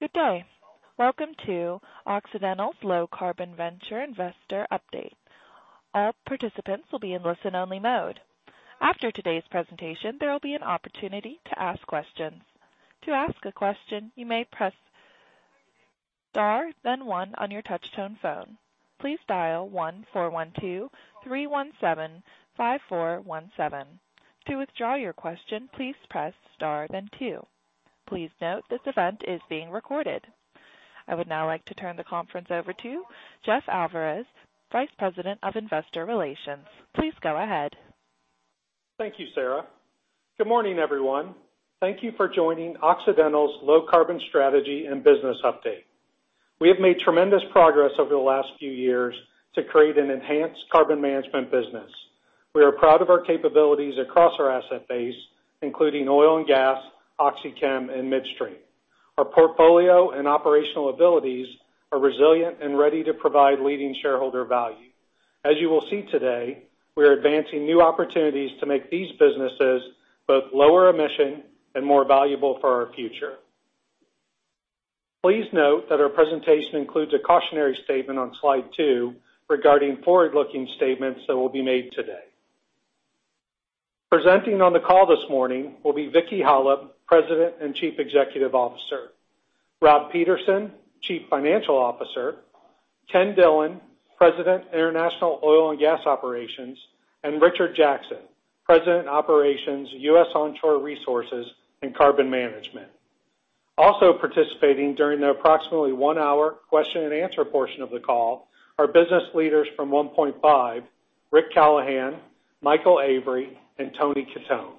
Good day. Welcome to Occidental's Low Carbon Ventures Investor Update. All participants will be in listen-only mode. After today's presentation, there will be an opportunity to ask questions. To ask a question, you may press Star, then one on your touchtone phone. Please dial 1-412-317-5417. To withdraw your question, please press Star then two. Please note this event is being recorded. I would now like to turn the conference over to Jeff Alvarez, Vice President of Investor Relations. Please go ahead. Thank you, Sarah. Good morning, everyone. Thank you for joining Occidental's Low Carbon Strategy and Business Update. We have made tremendous progress over the last few years to create an enhanced carbon management business. We are proud of our capabilities across our asset base, including oil and gas, OxyChem, and midstream. Our portfolio and operational abilities are resilient and ready to provide leading shareholder value. As you will see today, we are advancing new opportunities to make these businesses both lower emission and more valuable for our future. Please note that our presentation includes a cautionary statement on slide two regarding forward-looking statements that will be made today. Presenting on the call this morning will be Vicki Hollub, President and Chief Executive Officer, Rob Peterson, Chief Financial Officer, Ken Dillon, President, International Oil and Gas Operations, and Richard Jackson, President, Operations, U.S. Onshore Resources and Carbon Management. Also participating during the approximately one-hour question and answer portion of the call are business leaders from 1PointFive, Rick Callahan, Michael Avery, and Tony Cottone.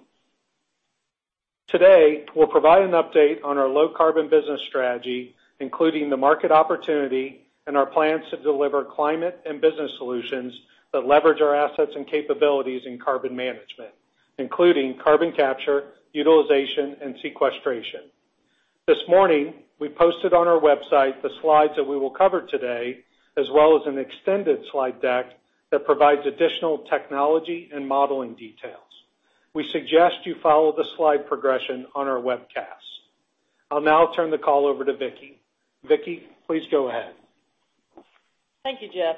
Today, we'll provide an update on our low carbon business strategy, including the market opportunity and our plans to deliver climate and business solutions that leverage our assets and capabilities in carbon management, including carbon capture, utilization, and sequestration. This morning, we posted on our website the slides that we will cover today, as well as an extended slide deck that provides additional technology and modeling details. We suggest you follow the slide progression on our webcast. I'll now turn the call over to Vicki. Vicki, please go ahead. Thank you, Jeff.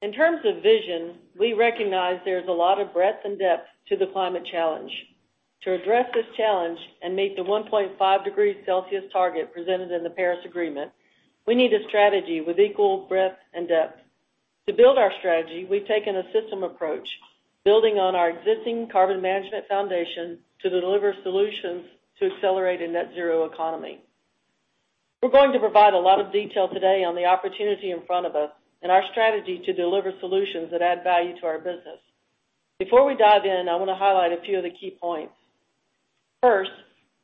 In terms of vision, we recognize there's a lot of breadth and depth to the climate challenge. To address this challenge and meet the 1.5 degrees Celsius target presented in the Paris Agreement, we need a strategy with equal breadth and depth. To build our strategy, we've taken a system approach, building on our existing carbon management foundation to deliver solutions to accelerate a net zero economy. We're going to provide a lot of detail today on the opportunity in front of us and our strategy to deliver solutions that add value to our business. Before we dive in, I want to highlight a few of the key points. First,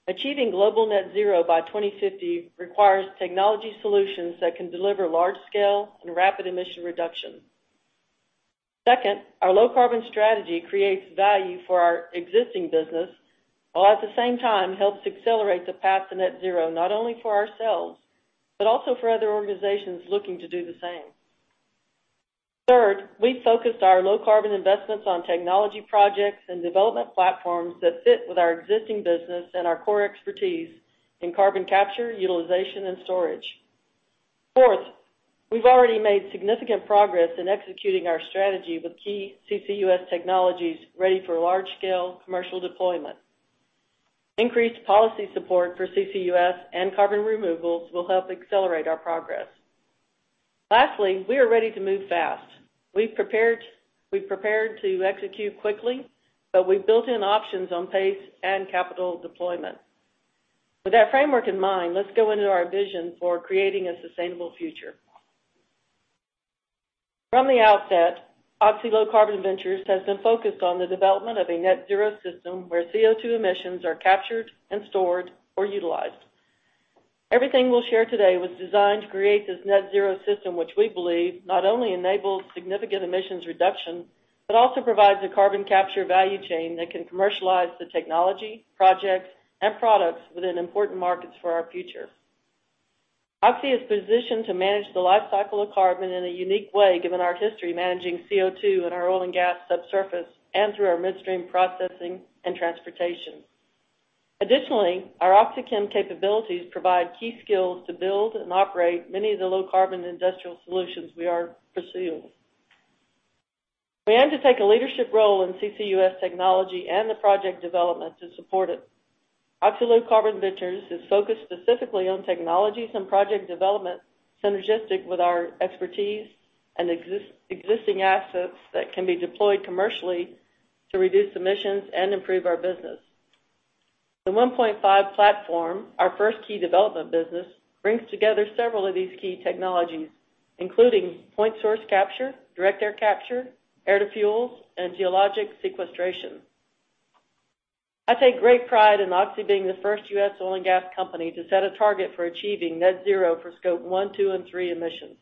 achieving global net zero by 2050 requires technology solutions that can deliver large-scale and rapid emission reduction. Second, our low carbon strategy creates value for our existing business, while at the same time helps accelerate the path to net zero, not only for ourselves, but also for other organizations looking to do the same. Third, we focused our low carbon investments on technology projects and development platforms that fit with our existing business and our core expertise in carbon capture, utilization, and storage. Fourth, we've already made significant progress in executing our strategy with key CCUS technologies ready for large-scale commercial deployment. Increased policy support for CCUS and carbon removals will help accelerate our progress. Lastly, we are ready to move fast. We've prepared to execute quickly, but we've built in options on pace and capital deployment. With that framework in mind, let's go into our vision for creating a sustainable future. From the outset, Oxy Low Carbon Ventures has been focused on the development of a net zero system where CO2 emissions are captured and stored or utilized. Everything we'll share today was designed to create this net zero system, which we believe not only enables significant emissions reduction, but also provides a carbon capture value chain that can commercialize the technology, projects, and products within important markets for our future. Oxy is positioned to manage the lifecycle of carbon in a unique way, given our history managing CO2 in our oil and gas subsurface and through our midstream processing and transportation. Additionally, our OxyChem capabilities provide key skills to build and operate many of the low carbon industrial solutions we are pursuing. We aim to take a leadership role in CCUS technology and the project development to support it. Oxy Low Carbon Ventures is focused specifically on technologies and project development synergistic with our expertise and existing assets that can be deployed commercially to reduce emissions and improve our business. The 1PointFive platform, our first key development business, brings together several of these key technologies, including point source capture, direct air capture, air to fuels, and geologic sequestration. I take great pride in Oxy being the first U.S. oil and gas company to set a target for achieving net zero for scope one, two, and three emissions.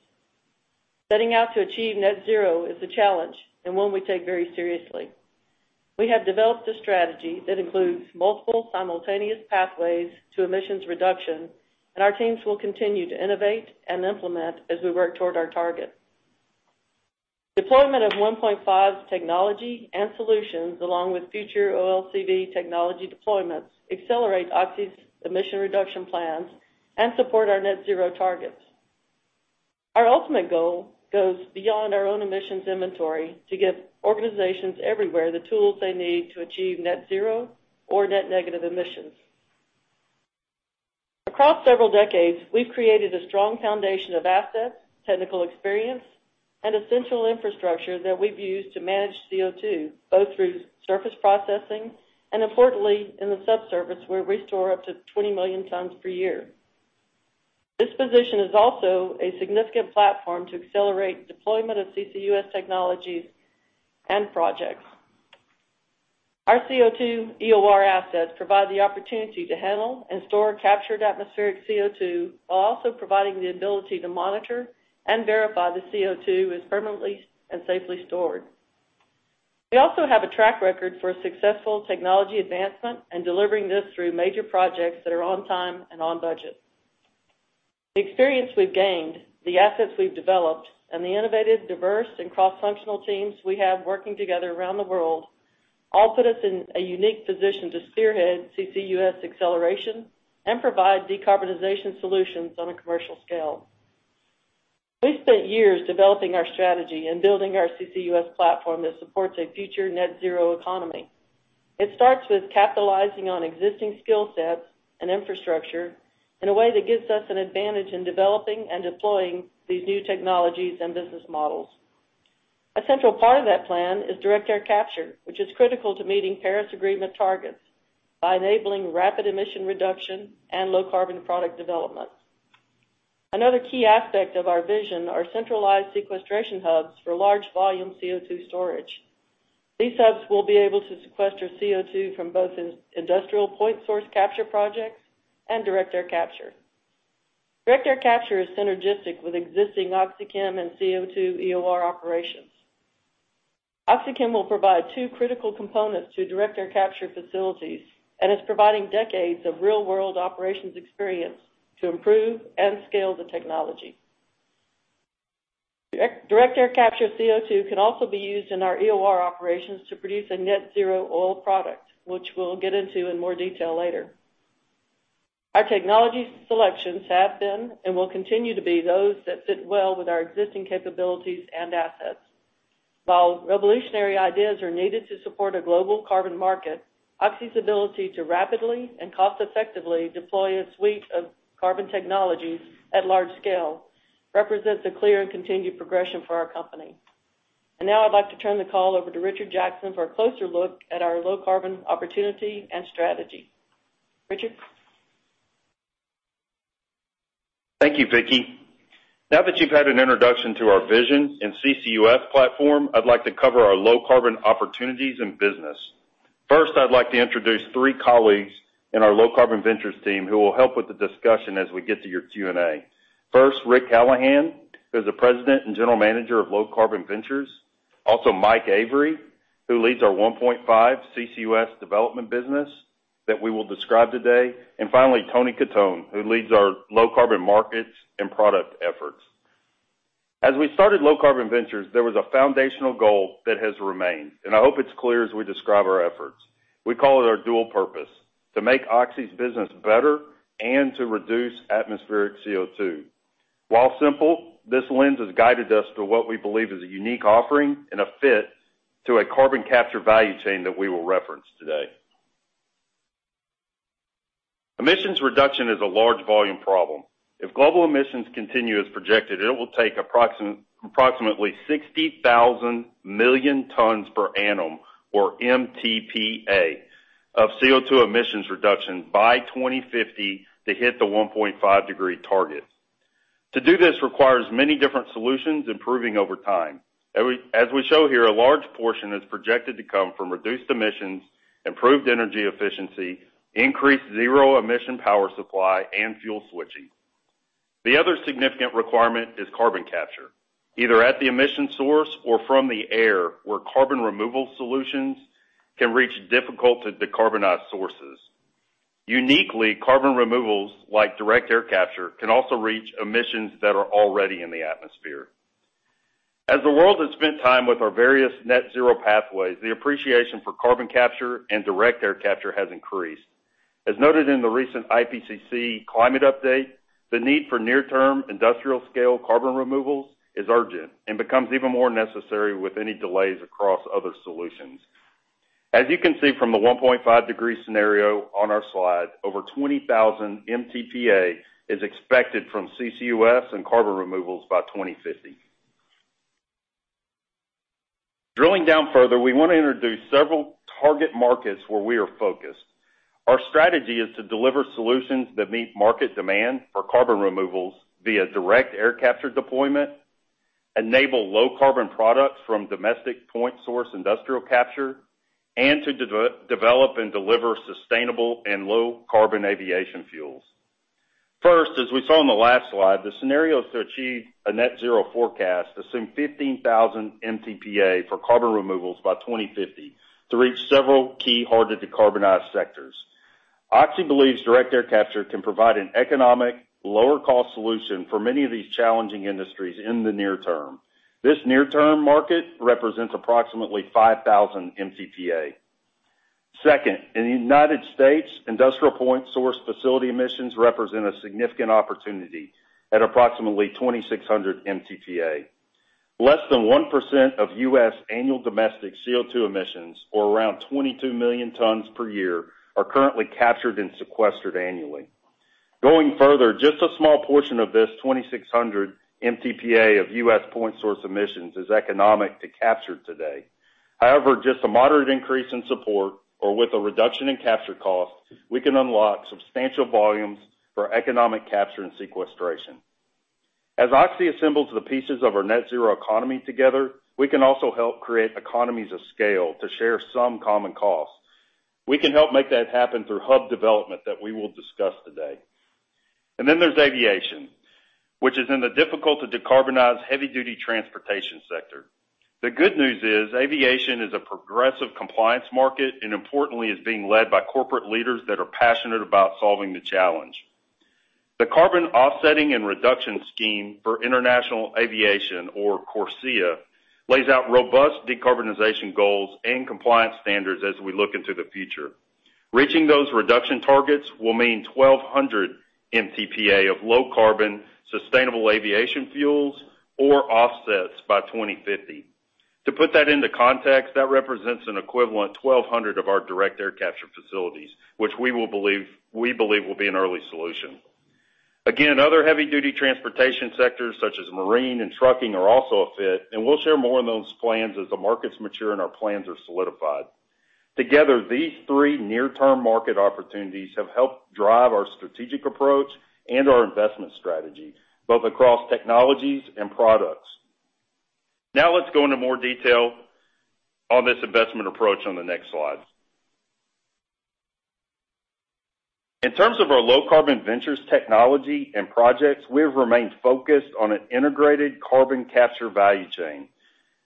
Setting out to achieve net zero is a challenge, and one we take very seriously. We have developed a strategy that includes multiple simultaneous pathways to emissions reduction, and our teams will continue to innovate and implement as we work toward our target. Deployment of 1PointFive technology and solutions, along with future OLCV technology deployments, accelerate Oxy's emission reduction plans and support our net zero targets. Our ultimate goal goes beyond our own emissions inventory to give organizations everywhere the tools they need to achieve net zero or net negative emissions. Across several decades, we've created a strong foundation of assets, technical experience, and essential infrastructure that we've used to manage CO2, both through surface processing and importantly, in the subsurface, where we store up to 20 million tons per year. This position is also a significant platform to accelerate deployment of CCUS technologies and projects. Our CO2 EOR assets provide the opportunity to handle and store captured atmospheric CO2, while also providing the ability to monitor and verify the CO2 is permanently and safely stored. We also have a track record for successful technology advancement and delivering this through major projects that are on time and on budget. The experience we've gained, the assets we've developed, and the innovative, diverse, and cross-functional teams we have working together around the world all put us in a unique position to spearhead CCUS acceleration and provide decarbonization solutions on a commercial scale. We spent years developing our strategy and building our CCUS platform that supports a future net zero economy. It starts with capitalizing on existing skill sets and infrastructure in a way that gives us an advantage in developing and deploying these new technologies and business models. A central part of that plan is direct air capture, which is critical to meeting Paris Agreement targets by enabling rapid emission reduction and low carbon product development. Another key aspect of our vision are centralized sequestration hubs for large volume CO2 storage. These hubs will be able to sequester CO2 from both industrial point source capture projects and direct air capture. Direct air capture is synergistic with existing OxyChem and CO2 EOR operations. OxyChem will provide two critical components to direct air capture facilities, and is providing decades of real-world operations experience to improve and scale the technology. Direct air capture CO2 can also be used in our EOR operations to produce a net zero oil product, which we'll get into in more detail later. Our technology selections have been and will continue to be those that fit well with our existing capabilities and assets. While revolutionary ideas are needed to support a global carbon market, Oxy's ability to rapidly and cost-effectively deploy a suite of carbon technologies at large scale represents a clear and continued progression for our company. Now I'd like to turn the call over to Richard Jackson for a closer look at our low carbon opportunity and strategy. Richard? Thank you, Vicki. Now that you've had an introduction to our vision and CCUS platform, I'd like to cover our low carbon opportunities and business. First, I'd like to introduce three colleagues in our low carbon ventures team who will help with the discussion as we get to your Q&A. First, Rick Callahan, who's the President and General Manager of Low Carbon Ventures. Also Mike Avery, who leads our 1PointFive CCUS development business that we will describe today. And finally, Tony Cottone, who leads our low carbon markets and product efforts. As we started Low Carbon Ventures, there was a foundational goal that has remained, and I hope it's clear as we describe our efforts. We call it our dual purpose, to make Oxy's business better and to reduce atmospheric CO2. While simple, this lens has guided us to what we believe is a unique offering and a fit to a carbon capture value chain that we will reference today. Emissions reduction is a large volume problem. If global emissions continue as projected, it will take approximately 60,000 million tons per annum, or MTPA, of CO2 emissions reduction by 2050 to hit the 1.5-degree target. To do this requires many different solutions, improving over time. As we show here, a large portion is projected to come from reduced emissions, improved energy efficiency, increased zero emission power supply, and fuel switching. The other significant requirement is carbon capture, either at the emission source or from the air, where carbon removal solutions can reach difficult to decarbonize sources. Uniquely, carbon removals, like direct air capture, can also reach emissions that are already in the atmosphere. As the world has spent time with our various net zero pathways, the appreciation for carbon capture and direct air capture has increased. As noted in the recent IPCC climate update, the need for near-term industrial scale carbon removals is urgent and becomes even more necessary with any delays across other solutions. As you can see from the 1.5 degree scenario on our slide, over 20,000 MTPA is expected from CCUS and carbon removals by 2050. Drilling down further, we wanna introduce several target markets where we are focused. Our strategy is to deliver solutions that meet market demand for carbon removals via direct air capture deployment, enable low carbon products from domestic point source industrial capture, and to develop and deliver sustainable and low carbon aviation fuels. First, as we saw in the last slide, the scenarios to achieve a net zero forecast assume 15,000 MTPA for carbon removals by 2050 to reach several key hard to decarbonize sectors. Oxy believes direct air capture can provide an economic, lower cost solution for many of these challenging industries in the near term. This near-term market represents approximately 5,000 MTPA. Second, in the United States, industrial point source facility emissions represent a significant opportunity at approximately 2,600 MTPA. Less than 1% of U.S. annual domestic CO2 emissions, or around 22 million tons per year, are currently captured and sequestered annually. Going further, just a small portion of this 2,600 MTPA of U.S. point source emissions is economic to capture today. However, just a moderate increase in support or with a reduction in capture costs, we can unlock substantial volumes for economic capture and sequestration. As Oxy assembles the pieces of our net zero economy together, we can also help create economies of scale to share some common costs. We can help make that happen through hub development that we will discuss today. There's aviation, which is in the difficult to decarbonize heavy-duty transportation sector. The good news is aviation is a progressive compliance market and importantly, is being led by corporate leaders that are passionate about solving the challenge. The Carbon Offsetting and Reduction Scheme for International Aviation, or CORSIA, lays out robust decarbonization goals and compliance standards as we look into the future. Reaching those reduction targets will mean 1,200 MTPA of low-carbon, sustainable aviation fuels or offsets by 2050. To put that into context, that represents an equivalent 1,200 of our direct air capture facilities, which we believe will be an early solution. Other heavy-duty transportation sectors such as marine and trucking are also a fit, and we'll share more on those plans as the markets mature and our plans are solidified. Together, these three near-term market opportunities have helped drive our strategic approach and our investment strategy, both across technologies and products. Now let's go into more detail on this investment approach on the next slide. In terms of our Oxy Low Carbon Ventures technology and projects, we have remained focused on an integrated carbon capture value chain.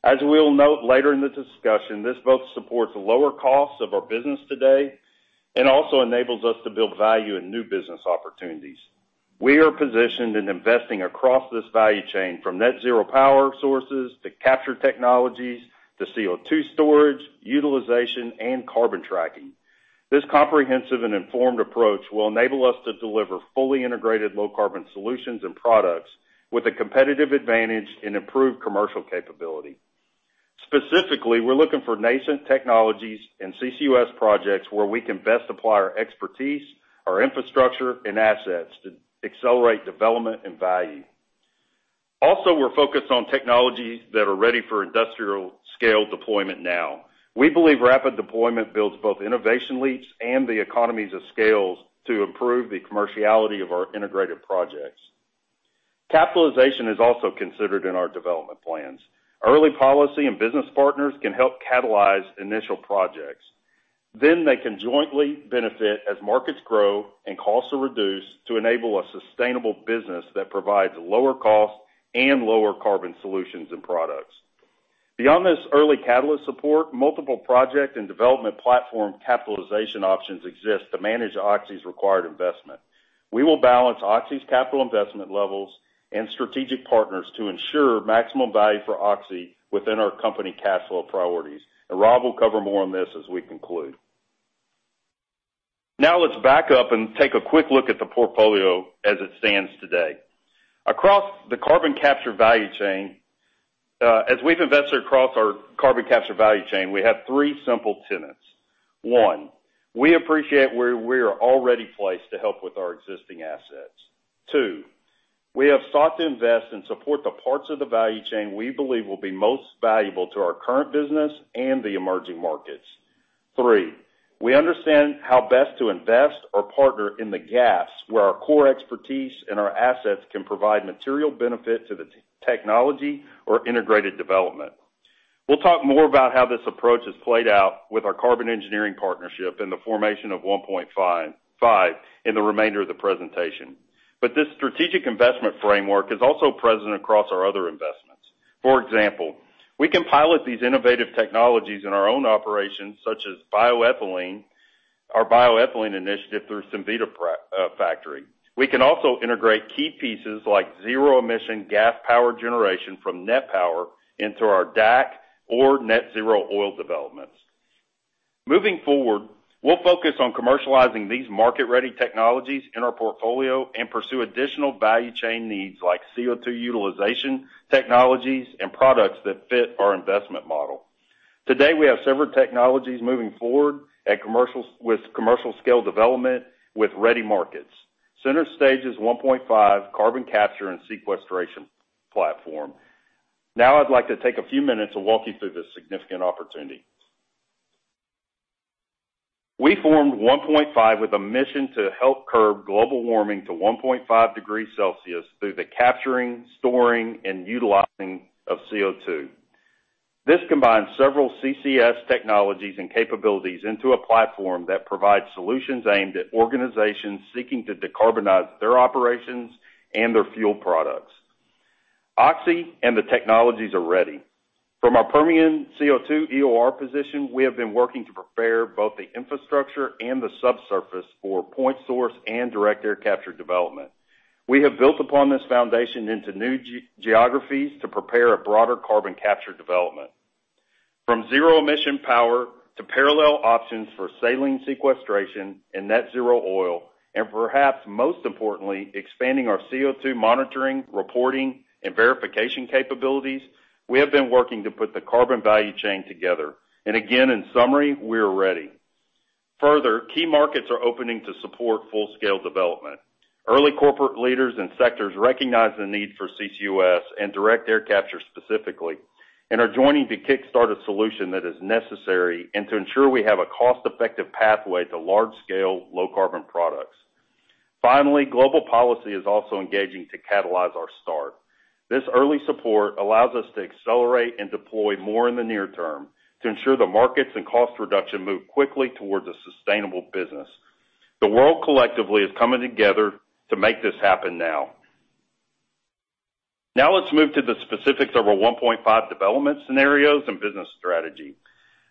As we will note later in the discussion, this both supports lower costs of our business today and also enables us to build value in new business opportunities. We are positioned and investing across this value chain from net zero power sources to capture technologies to CO2 storage, utilization, and carbon tracking. This comprehensive and informed approach will enable us to deliver fully integrated low-carbon solutions and products with a competitive advantage and improved commercial capability. Specifically, we're looking for nascent technologies and CCUS projects where we can best apply our expertise, our infrastructure, and assets to accelerate development and value. Also, we're focused on technologies that are ready for industrial-scale deployment now. We believe rapid deployment builds both innovation leads and the economies of scale to improve the commerciality of our integrated projects. Capitalization is also considered in our development plans. Early policy and business partners can help catalyze initial projects. They can jointly benefit as markets grow and costs are reduced to enable a sustainable business that provides lower cost and lower carbon solutions and products. Beyond this early catalyst support, multiple project and development platform capitalization options exist to manage Oxy's required investment. We will balance Oxy's capital investment levels and strategic partners to ensure maximum value for Oxy within our company cash flow priorities. Rob will cover more on this as we conclude. Now let's back up and take a quick look at the portfolio as it stands today. Across the carbon capture value chain, as we've invested across our carbon capture value chain, we have three simple tenets. One, we appreciate where we are already placed to help with our existing assets. Two, we have sought to invest and support the parts of the value chain we believe will be most valuable to our current business and the emerging markets. Three, we understand how best to invest or partner in the gaps where our core expertise and our assets can provide material benefit to the technology or integrated development. We'll talk more about how this approach has played out with our Carbon Engineering partnership and the formation of 1PointFive in the remainder of the presentation. This strategic investment framework is also present across our other investments. For example, we can pilot these innovative technologies in our own operations, such as bioethylene, our bioethylene initiative through Cemvita Factory. We can also integrate key pieces like zero-emission gas power generation from NET Power into our DAC or net zero oil developments. Moving forward, we'll focus on commercializing these market-ready technologies in our portfolio and pursue additional value chain needs like CO2 utilization technologies and products that fit our investment model. Today, we have several technologies moving forward with commercial scale development with ready markets. 1PointFive is our carbon capture and sequestration platform. Now I'd like to take a few minutes to walk you through this significant opportunity. We formed 1PointFive with a mission to help curb global warming to 1.5 degrees Celsius through the capturing, storing, and utilizing of CO2. This combines several CCS technologies and capabilities into a platform that provides solutions aimed at organizations seeking to decarbonize their operations and their fuel products. Oxy and the technologies are ready. From our Permian CO2 EOR position, we have been working to prepare both the infrastructure and the subsurface for point source and direct air capture development. We have built upon this foundation into new geographies to prepare a broader carbon capture development. From zero emission power to parallel options for saline sequestration and net zero oil, and perhaps most importantly, expanding our CO2 monitoring, reporting and verification capabilities, we have been working to put the carbon value chain together. Again, in summary, we're ready. Further, key markets are opening to support full-scale development. Early corporate leaders and sectors recognize the need for CCUS and direct air capture specifically, and are joining to kick-start a solution that is necessary and to ensure we have a cost-effective pathway to large-scale low carbon products. Finally, global policy is also engaging to catalyze our start. This early support allows us to accelerate and deploy more in the near term to ensure the markets and cost reduction move quickly towards a sustainable business. The world collectively is coming together to make this happen now. Now let's move to the specifics of our 1PointFive development scenarios and business strategy.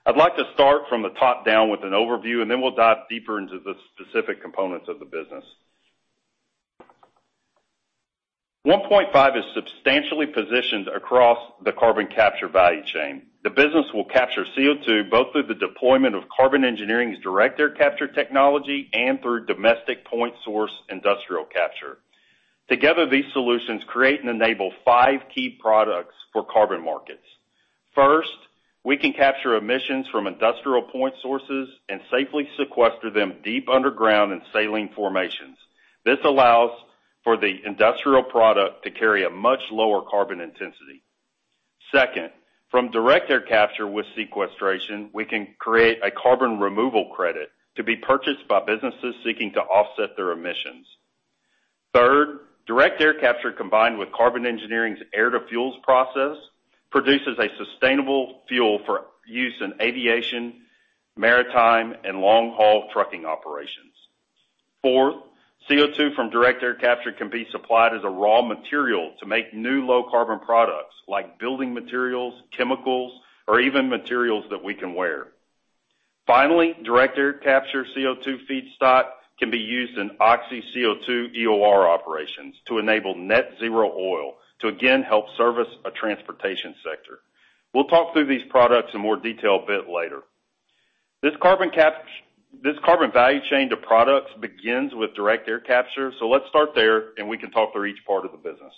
I'd like to start from the top down with an overview, and then we'll dive deeper into the specific components of the business. 1PointFive is substantially positioned across the carbon capture value chain. The business will capture CO2 both through the deployment of Carbon Engineering's direct air capture technology and through domestic point source industrial capture. Together, these solutions create and enable five key products for carbon markets. First, we can capture emissions from industrial point sources and safely sequester them deep underground in saline formations. This allows for the industrial product to carry a much lower carbon intensity. Second, from direct air capture with sequestration, we can create a carbon removal credit to be purchased by businesses seeking to offset their emissions. Third, direct air capture combined with Carbon Engineering's air-to-fuels process produces a sustainable fuel for use in aviation, maritime, and long-haul trucking operations. Fourth, CO2 from direct air capture can be supplied as a raw material to make new low carbon products like building materials, chemicals, or even materials that we can wear. Finally, direct air capture CO2 feedstock can be used in Oxy CO2 EOR operations to enable net zero oil to again help service a transportation sector. We'll talk through these products in more detail a bit later. This carbon value chain to products begins with direct air capture, so let's start there and we can talk through each part of the business.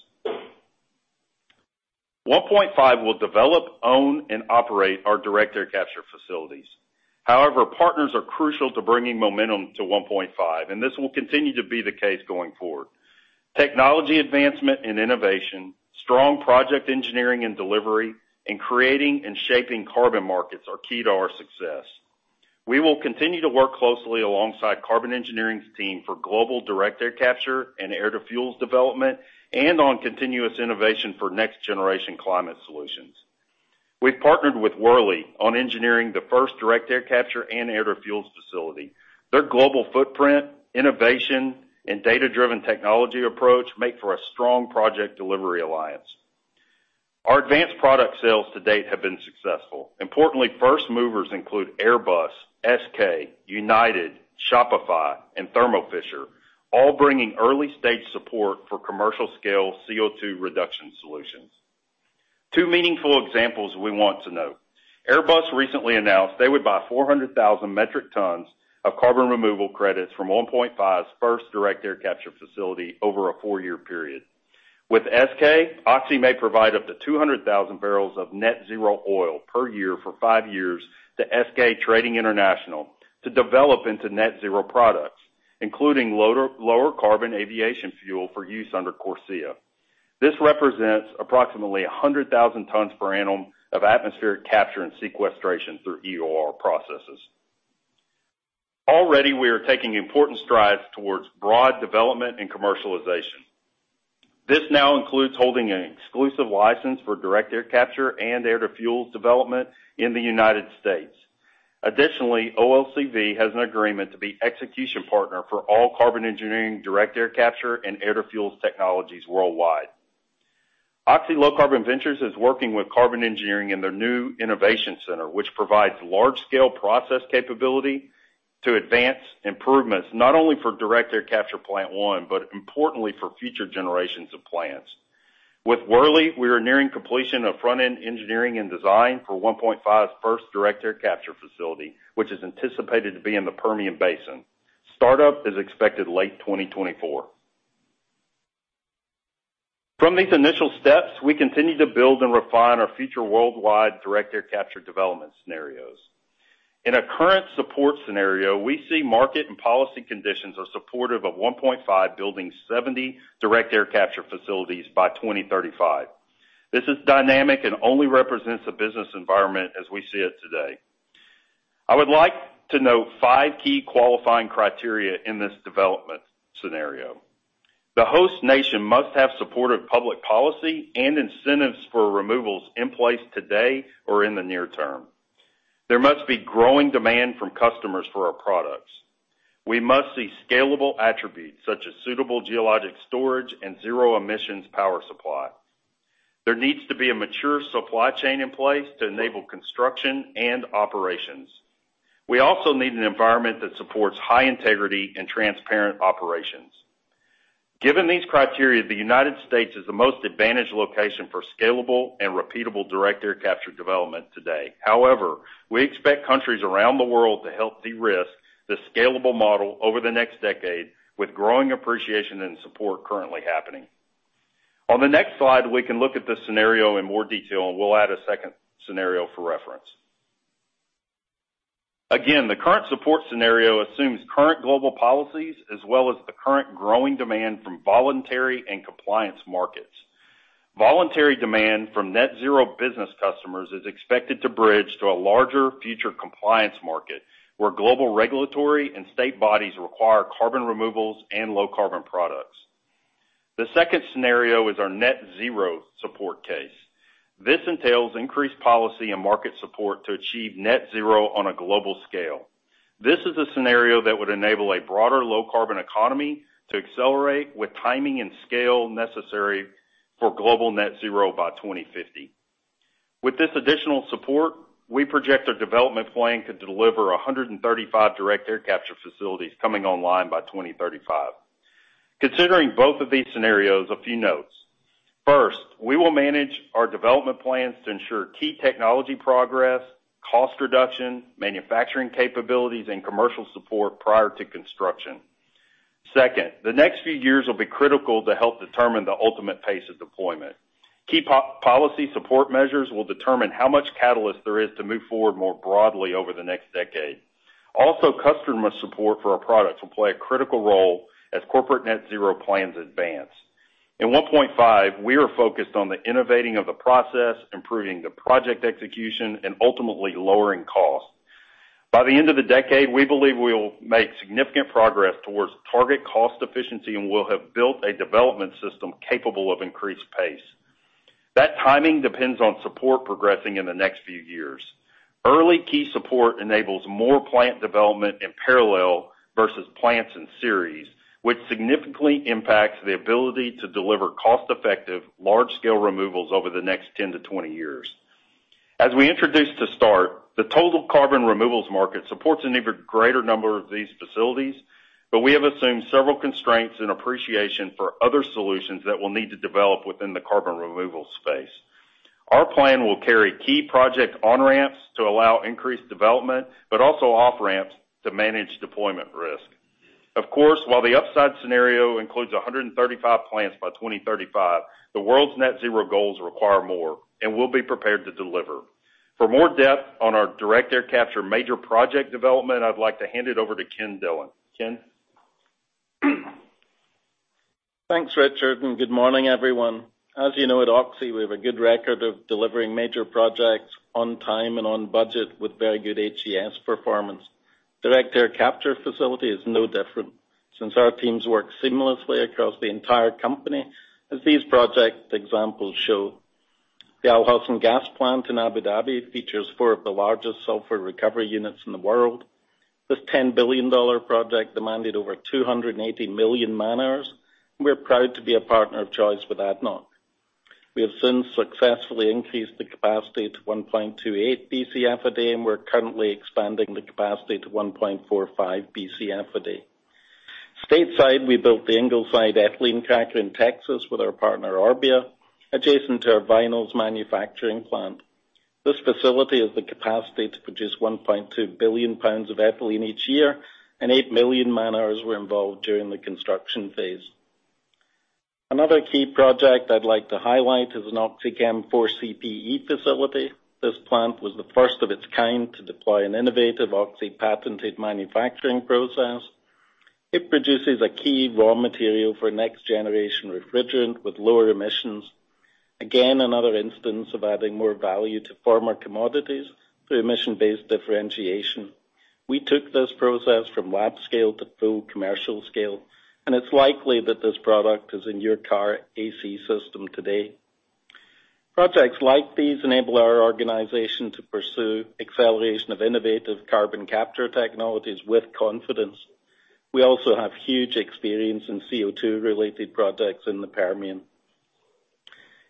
1PointFive will develop, own, and operate our direct air capture facilities. However, partners are crucial to bringing momentum to 1PointFive, and this will continue to be the case going forward. Technology advancement and innovation, strong project engineering and delivery, and creating and shaping carbon markets are key to our success. We will continue to work closely alongside Carbon Engineering's team for global direct air capture and air-to-fuels development and on continuous innovation for next-generation climate solutions. We've partnered with Worley on engineering the first direct air capture and air-to-fuels facility. Their global footprint, innovation, and data-driven technology approach make for a strong project delivery alliance. Our advanced product sales to date have been successful. Importantly, first movers include Airbus, SK, United, Shopify, and Thermo Fisher, all bringing early-stage support for commercial-scale CO2 reduction solutions. Two meaningful examples we want to note. Airbus recently announced they would buy 400,000 metric tons of carbon removal credits from 1PointFive's first direct air capture facility over a four-year period. With SK, Oxy may provide up to 200,000 barrels of net zero oil per year for five years to SK Trading International to develop into net zero products, including lower carbon aviation fuel for use under CORSIA. This represents approximately 100,000 tons per annum of atmospheric capture and sequestration through EOR processes. Already, we are taking important strides towards broad development and commercialization. This now includes holding an exclusive license for direct air capture and air-to-fuels development in the United States. Additionally, OLCV has an agreement to be execution partner for all Carbon Engineering direct air capture and air-to-fuels technologies worldwide. Oxy Low Carbon Ventures is working with Carbon Engineering in their new innovation center, which provides large-scale process capability to advance improvements not only for direct air capture plant one, but importantly for future generations of plants. With Worley, we are nearing completion of front-end engineering and design for 1PointFive's first direct air capture facility, which is anticipated to be in the Permian Basin. Startup is expected late 2024. From these initial steps, we continue to build and refine our future worldwide direct air capture development scenarios. In a current support scenario, we see market and policy conditions are supportive of 1PointFive building 70 direct air capture facilities by 2035. This is dynamic and only represents the business environment as we see it today. I would like to note five key qualifying criteria in this development scenario. The host nation must have supportive public policy and incentives for removals in place today or in the near term. There must be growing demand from customers for our products. We must see scalable attributes such as suitable geologic storage and zero emissions power supply. There needs to be a mature supply chain in place to enable construction and operations. We also need an environment that supports high integrity and transparent operations. Given these criteria, the United States is the most advantaged location for scalable and repeatable direct air capture development today. However, we expect countries around the world to help de-risk the scalable model over the next decade, with growing appreciation and support currently happening. On the next slide, we can look at this scenario in more detail, and we'll add a second scenario for reference. Again, the current support scenario assumes current global policies as well as the current growing demand from voluntary and compliance markets. Voluntary demand from net zero business customers is expected to bridge to a larger future compliance market, where global regulatory and state bodies require carbon removals and low carbon products. The second scenario is our net zero support case. This entails increased policy and market support to achieve net zero on a global scale. This is a scenario that would enable a broader low carbon economy to accelerate with timing and scale necessary for global net zero by 2050. With this additional support, we project our development plan to deliver 135 direct air capture facilities coming online by 2035. Considering both of these scenarios, a few notes. First, we will manage our development plans to ensure key technology progress, cost reduction, manufacturing capabilities, and commercial support prior to construction. Second, the next few years will be critical to help determine the ultimate pace of deployment. Key policy support measures will determine how much catalyst there is to move forward more broadly over the next decade. Customer support for our products will play a critical role as corporate net zero plans advance. In 1PointFive, we are focused on the innovation of the process, improving the project execution and ultimately lowering costs. By the end of the decade, we believe we will make significant progress towards target cost efficiency, and we'll have built a development system capable of increased pace. That timing depends on support progressing in the next few years. Early key support enables more plant development in parallel versus plants in series, which significantly impacts the ability to deliver cost-effective, large-scale removals over the next 10-20 years. As we introduced at the start, the total carbon removals market supports an even greater number of these facilities, but we have assumed several constraints in anticipation for other solutions that will need to develop within the carbon removal space. Our plan will carry key project on-ramps to allow increased development, but also off-ramps to manage deployment risk. Of course, while the upside scenario includes 135 plants by 2035, the world's net zero goals require more, and we'll be prepared to deliver. For more depth on our direct air capture major project development, I'd like to hand it over to Ken Dillon. Ken? Thanks, Richard, and good morning, everyone. As you know, at Oxy, we have a good record of delivering major projects on time and on budget with very good HES performance. Direct air capture facility is no different since our teams work seamlessly across the entire company, as these project examples show. The Al Hosn Gas plant in Abu Dhabi features four of the largest sulfur recovery units in the world. This $10 billion project demanded over 280 million man-hours, and we're proud to be a partner of choice with ADNOC. We have since successfully increased the capacity to 1.28 Bcf a day, and we're currently expanding the capacity to 1.45 Bcf a day. Stateside, we built the Ingleside ethylene cracker in Texas with our partner, Orbia, adjacent to our vinyls manufacturing plant. This facility has the capacity to produce 1.2 billion pounds of ethylene each year, and 8 million man-hours were involved during the construction phase. Another key project I'd like to highlight is an OxyChem 4CPe facility. This plant was the first of its kind to deploy an innovative Oxy-patented manufacturing process. It produces a key raw material for next-generation refrigerant with lower emissions. Again, another instance of adding more value to former commodities through emission-based differentiation. We took this process from lab scale to full commercial scale, and it's likely that this product is in your car AC system today. Projects like these enable our organization to pursue acceleration of innovative carbon capture technologies with confidence. We also have huge experience in CO2-related projects in the Permian.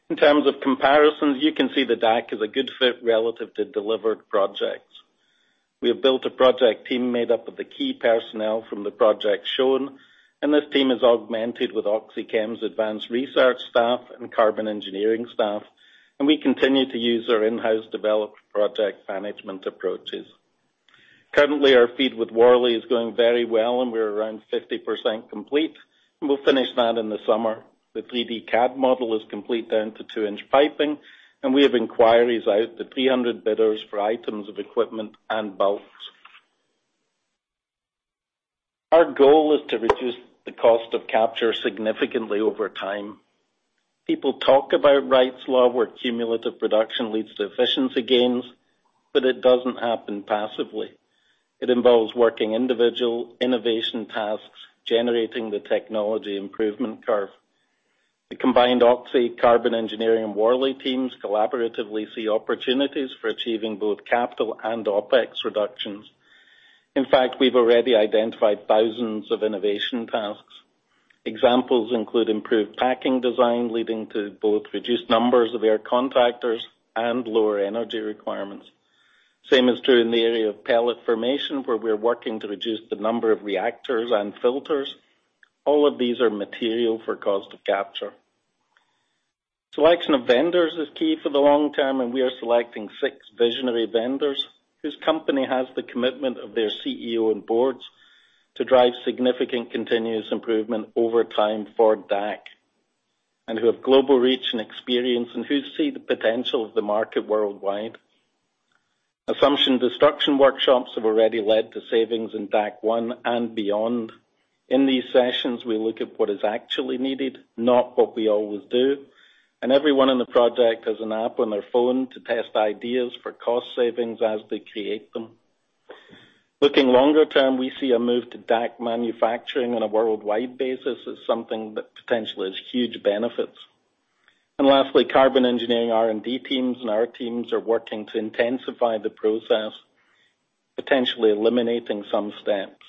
In terms of comparisons, you can see the DAC is a good fit relative to delivered projects. We have built a project team made up of the key personnel from the projects shown, and this team is augmented with OxyChem's advanced research staff and Carbon Engineering staff, and we continue to use our in-house developed project management approaches. Currently, our FEED with Worley is going very well, and we're around 50% complete, and we'll finish that in the summer. The 3D CAD model is complete down to two-inch piping, and we have inquiries out to 300 bidders for items of equipment and belts. Our goal is to reduce the cost of capture significantly over time. People talk about Wright's Law, where cumulative production leads to efficiency gains, but it doesn't happen passively. It involves working individual innovation tasks, generating the technology improvement curve. The combined Oxy, Carbon Engineering and Worley teams collaboratively see opportunities for achieving both capital and OPEX reductions. In fact, we've already identified thousands of innovation tasks. Examples include improved packing design, leading to both reduced numbers of air contactors and lower energy requirements. Same is true in the area of pellet formation, where we're working to reduce the number of reactors and filters. All of these are material for cost of capture. Selection of vendors is key for the long term, and we are selecting six visionary vendors whose company has the commitment of their CEO and boards to drive significant continuous improvement over time for DAC, and who have global reach and experience and who see the potential of the market worldwide. Assumption destruction workshops have already led to savings in DAC One and beyond. In these sessions, we look at what is actually needed, not what we always do. Everyone on the project has an app on their phone to test ideas for cost savings as they create them. Looking longer term, we see a move to DAC manufacturing on a worldwide basis as something that potentially has huge benefits. Lastly, Carbon Engineering R&D teams and our teams are working to intensify the process, potentially eliminating some steps.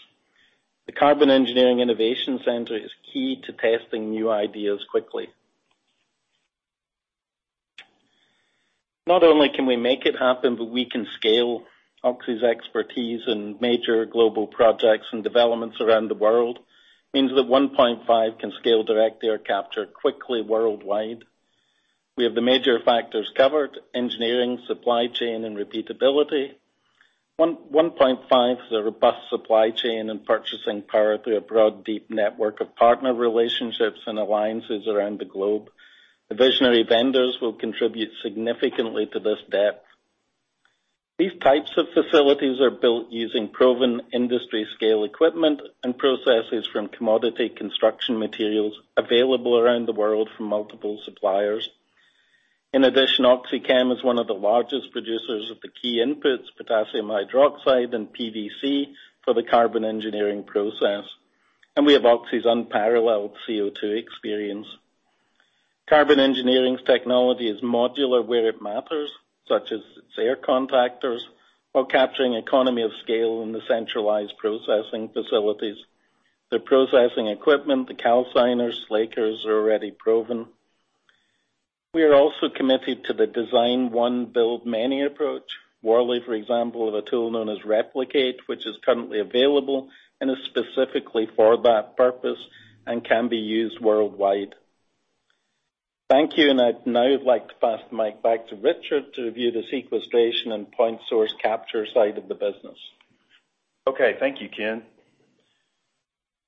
The Carbon Engineering Innovation Center is key to testing new ideas quickly. Not only can we make it happen, but we can scale. Oxy's expertise in major global projects and developments around the world means that 1PointFive can scale direct air capture quickly worldwide. We have the major factors covered, engineering, supply chain, and repeatability. 1PointFive has a robust supply chain and purchasing power through a broad, deep network of partner relationships and alliances around the globe. The visionary vendors will contribute significantly to this depth. These types of facilities are built using proven industry scale equipment and processes from commodity construction materials available around the world from multiple suppliers. In addition, OxyChem is one of the largest producers of the key inputs, potassium hydroxide and PVC, for the Carbon Engineering process. We have Oxy's unparalleled CO2 experience. Carbon Engineering's technology is modular where it matters, such as its air contactors, while capturing economy of scale in the centralized processing facilities. The processing equipment, the calciners, slakers, are already proven. We are also committed to the design one build many approach. Worley, for example, have a tool known as Replicate, which is currently available and is specifically for that purpose and can be used worldwide. Thank you. I'd now like to pass the mic back to Richard to review the sequestration and point-source capture side of the business. Okay. Thank you, Ken.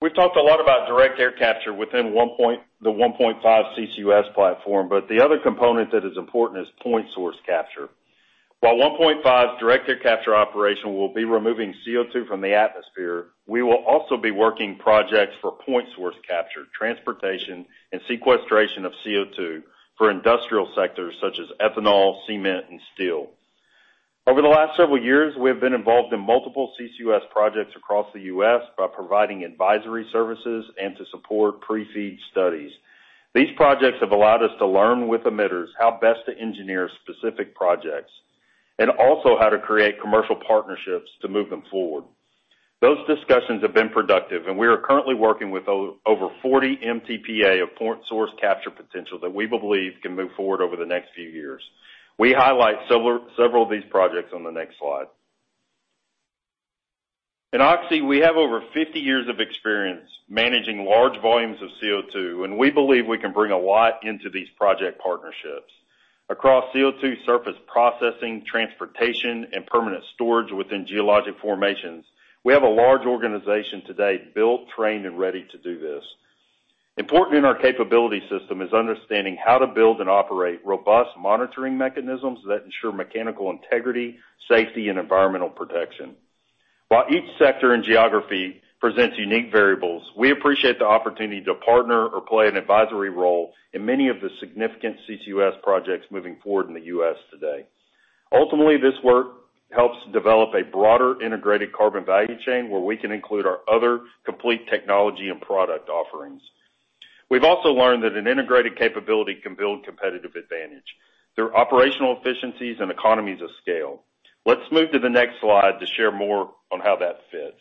We've talked a lot about direct air capture within 1PointFive—the 1PointFive CCUS platform, but the other component that is important is point-source capture. While 1PointFive direct air capture operation will be removing CO2 from the atmosphere, we will also be working projects for point-source capture, transportation, and sequestration of CO2 for industrial sectors such as ethanol, cement, and steel. Over the last several years, we have been involved in multiple CCUS projects across the U.S. by providing advisory services and to support pre-FEED studies. These projects have allowed us to learn with emitters how best to engineer specific projects and also how to create commercial partnerships to move them forward. Those discussions have been productive, and we are currently working with over 40 MTPA of point-source capture potential that we believe can move forward over the next few years. We highlight several of these projects on the next slide. In Oxy, we have over 50 years of experience managing large volumes of CO2, and we believe we can bring a lot into these project partnerships. Across CO2 surface processing, transportation, and permanent storage within geologic formations, we have a large organization today built, trained, and ready to do this. Important in our capability system is understanding how to build and operate robust monitoring mechanisms that ensure mechanical integrity, safety, and environmental protection. While each sector and geography presents unique variables, we appreciate the opportunity to partner or play an advisory role in many of the significant CCUS projects moving forward in the U.S. today. Ultimately, this work helps develop a broader integrated carbon value chain where we can include our other complete technology and product offerings. We've also learned that an integrated capability can build competitive advantage through operational efficiencies and economies of scale. Let's move to the next slide to share more on how that fits.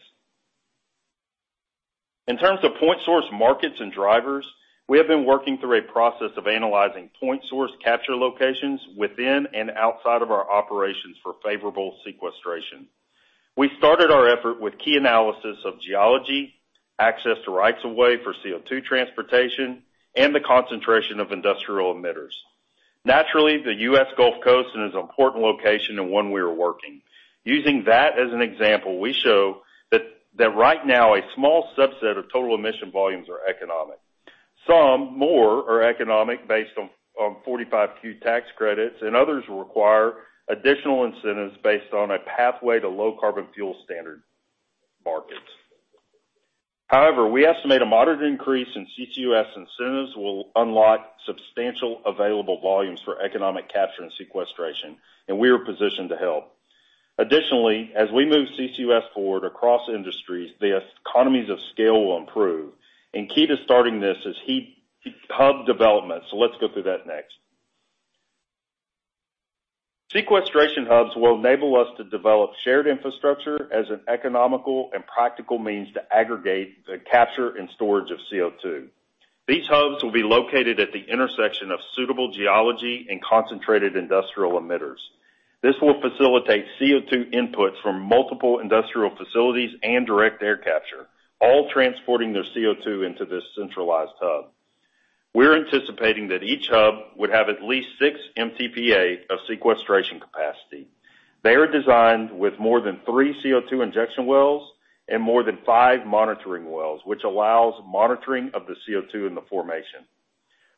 In terms of point-source markets and drivers, we have been working through a process of analyzing point-source capture locations within and outside of our operations for favorable sequestration. We started our effort with key analysis of geology, access to rights of way for CO2 transportation, and the concentration of industrial emitters. Naturally, the U.S. Gulf Coast is an important location and one we are working. Using that as an example, we show that right now, a small subset of total emission volumes are economic. Some more are economic based on 45Q tax credits, and others require additional incentives based on a pathway to low carbon fuel standard markets. However, we estimate a moderate increase in CCUS incentives will unlock substantial available volumes for economic capture and sequestration, and we are positioned to help. Additionally, as we move CCUS forward across industries, the economies of scale will improve, and key to starting this is hub development. Let's go through that next. Sequestration hubs will enable us to develop shared infrastructure as an economical and practical means to aggregate the capture and storage of CO2. These hubs will be located at the intersection of suitable geology and concentrated industrial emitters. This will facilitate CO2 inputs from multiple industrial facilities and direct air capture, all transporting their CO2 into this centralized hub. We're anticipating that each hub would have at least six MTPA of sequestration capacity. They are designed with more than three CO2 injection wells and more than five monitoring wells, which allows monitoring of the CO2 in the formation.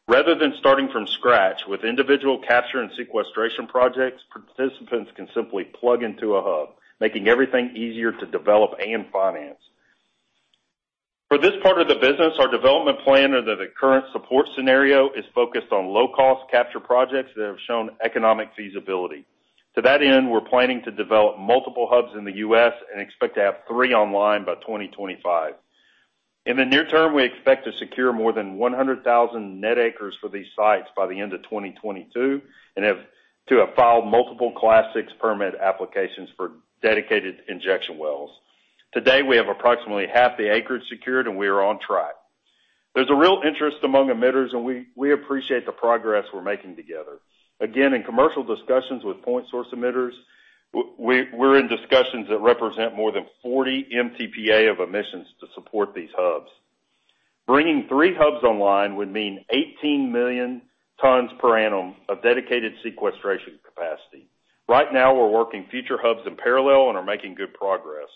Rather than starting from scratch with individual capture and sequestration projects, participants can simply plug into a hub, making everything easier to develop and finance. For this part of the business, our development plan under the current support scenario is focused on low-cost capture projects that have shown economic feasibility. To that end, we're planning to develop multiple hubs in the U.S. and expect to have three online by 2025. In the near term, we expect to secure more than 100,000 net acres for these sites by the end of 2022 and have filed multiple Class VI permit applications for dedicated injection wells. To date, we have approximately half the acreage secured, and we are on track. There's a real interest among emitters, and we appreciate the progress we're making together. Again, in commercial discussions with point source emitters, we're in discussions that represent more than 40 MTPA of emissions to support these hubs. Bringing three hubs online would mean 18 million tons per annum of dedicated sequestration capacity. Right now, we're working on future hubs in parallel and are making good progress.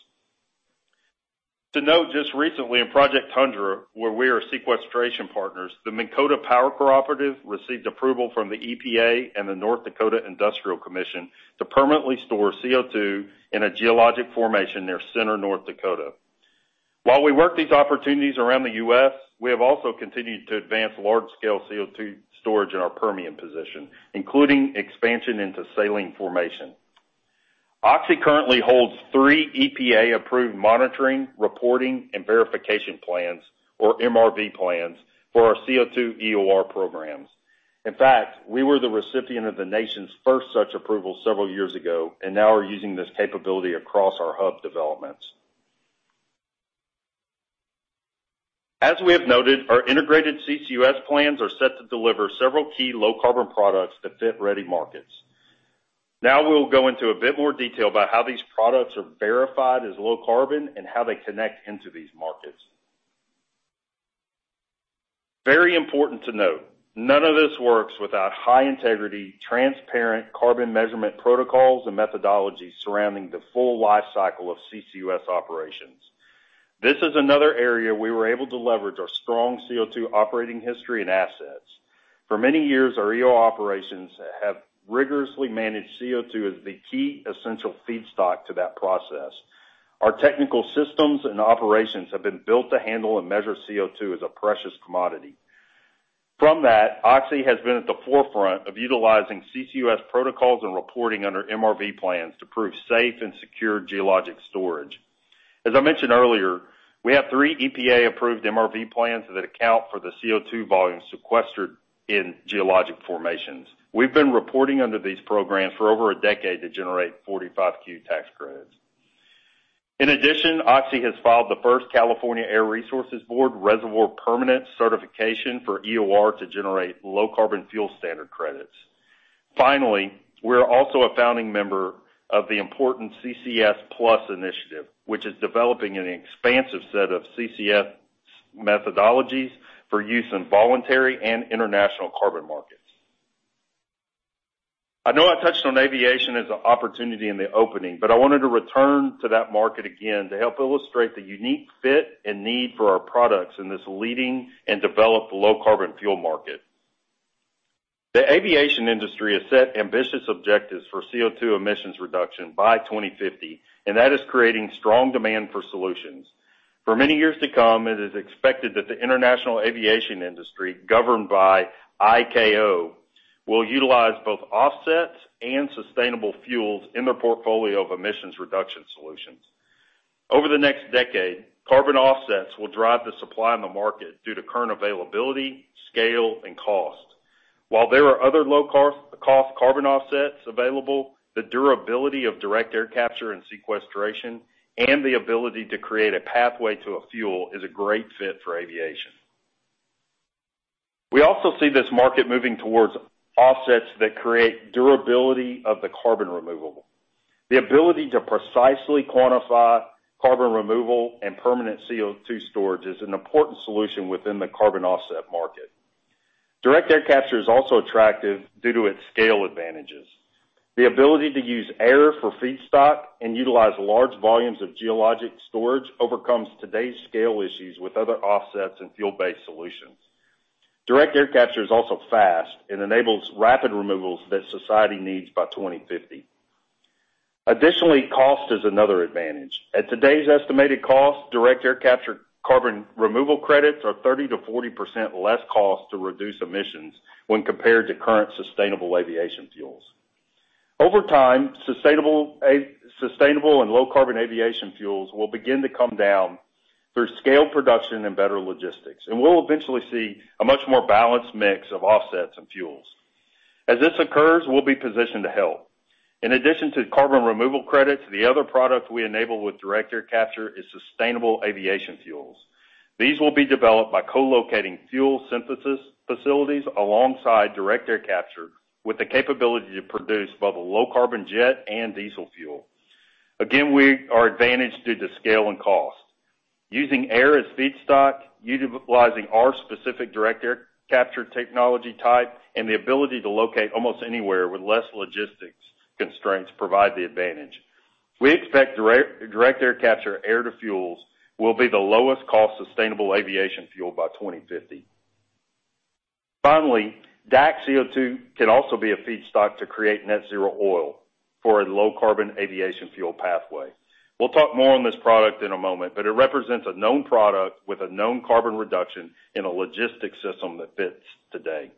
To note, just recently in Project Tundra, where we are sequestration partners, the Minnkota Power Cooperative received approval from the EPA and the North Dakota Industrial Commission to permanently store CO2 in a geologic formation near Center, North Dakota. While we work these opportunities around the U.S., we have also continued to advance large-scale CO2 storage in our Permian position, including expansion into saline formation. Oxy currently holds three EPA-approved monitoring, reporting, and verification plans, or MRV plans, for our CO2 EOR programs. In fact, we were the recipient of the nation's first such approval several years ago and now are using this capability across our hub developments. As we have noted, our integrated CCUS plans are set to deliver several key low carbon products that fit ready markets. Now we'll go into a bit more detail about how these products are verified as low carbon and how they connect into these markets. Very important to note, none of this works without high-integrity, transparent carbon measurement protocols and methodologies surrounding the full lifecycle of CCUS operations. This is another area we were able to leverage our strong CO2 operating history and assets. For many years, our EOR operations have rigorously managed CO2 as the key essential feedstock to that process. Our technical systems and operations have been built to handle and measure CO2 as a precious commodity. From that, Oxy has been at the forefront of utilizing CCUS protocols and reporting under MRV plans to prove safe and secure geologic storage. As I mentioned earlier, we have three EPA-approved MRV plans that account for the CO2 volume sequestered in geologic formations. We've been reporting under these programs for over a decade to generate 45Q tax credits. In addition, Oxy has filed the first California Air Resources Board reservoir permanent certification for EOR to generate low carbon fuel standard credits. Finally, we're also a founding member of the important CCS Plus initiative, which is developing an expansive set of CCS methodologies for use in voluntary and international carbon markets. I know I touched on aviation as an opportunity in the opening, but I wanted to return to that market again to help illustrate the unique fit and need for our products in this leading and developed low carbon fuel market. The aviation industry has set ambitious objectives for CO2 emissions reduction by 2050, and that is creating strong demand for solutions. For many years to come, it is expected that the international aviation industry, governed by ICAO, will utilize both offsets and sustainable fuels in their portfolio of emissions reduction solutions. Over the next decade, carbon offsets will drive the supply in the market due to current availability, scale, and cost. While there are other low cost carbon offsets available, the durability of direct air capture and sequestration and the ability to create a pathway to a fuel is a great fit for aviation. We also see this market moving towards offsets that create durability of the carbon removal. The ability to precisely quantify carbon removal and permanent CO2 storage is an important solution within the carbon offset market. Direct air capture is also attractive due to its scale advantages. The ability to use air for feedstock and utilize large volumes of geologic storage overcomes today's scale issues with other offsets and fuel-based solutions. Direct air capture is also fast and enables rapid removals that society needs by 2050. Additionally, cost is another advantage. At today's estimated cost, direct air capture carbon removal credits are 30%-40% less cost to reduce emissions when compared to current sustainable aviation fuels. Over time, sustainable and low carbon aviation fuels will begin to come down through scale production and better logistics, and we'll eventually see a much more balanced mix of offsets and fuels. As this occurs, we'll be positioned to help. In addition to carbon removal credits, the other product we enable with direct air capture is sustainable aviation fuels. These will be developed by co-locating fuel synthesis facilities alongside direct air capture with the capability to produce both a low carbon jet and diesel fuel. Again, we are advantaged due to scale and cost. Using air as feedstock, utilizing our specific direct air capture technology type, and the ability to locate almost anywhere with less logistics constraints provide the advantage. We expect direct air capture air to fuels will be the lowest cost sustainable aviation fuel by 2050. Finally, DAC CO2 can also be a feedstock to create net zero oil for a low carbon aviation fuel pathway. We'll talk more on this product in a moment, but it represents a known product with a known carbon reduction in a logistics system that fits today.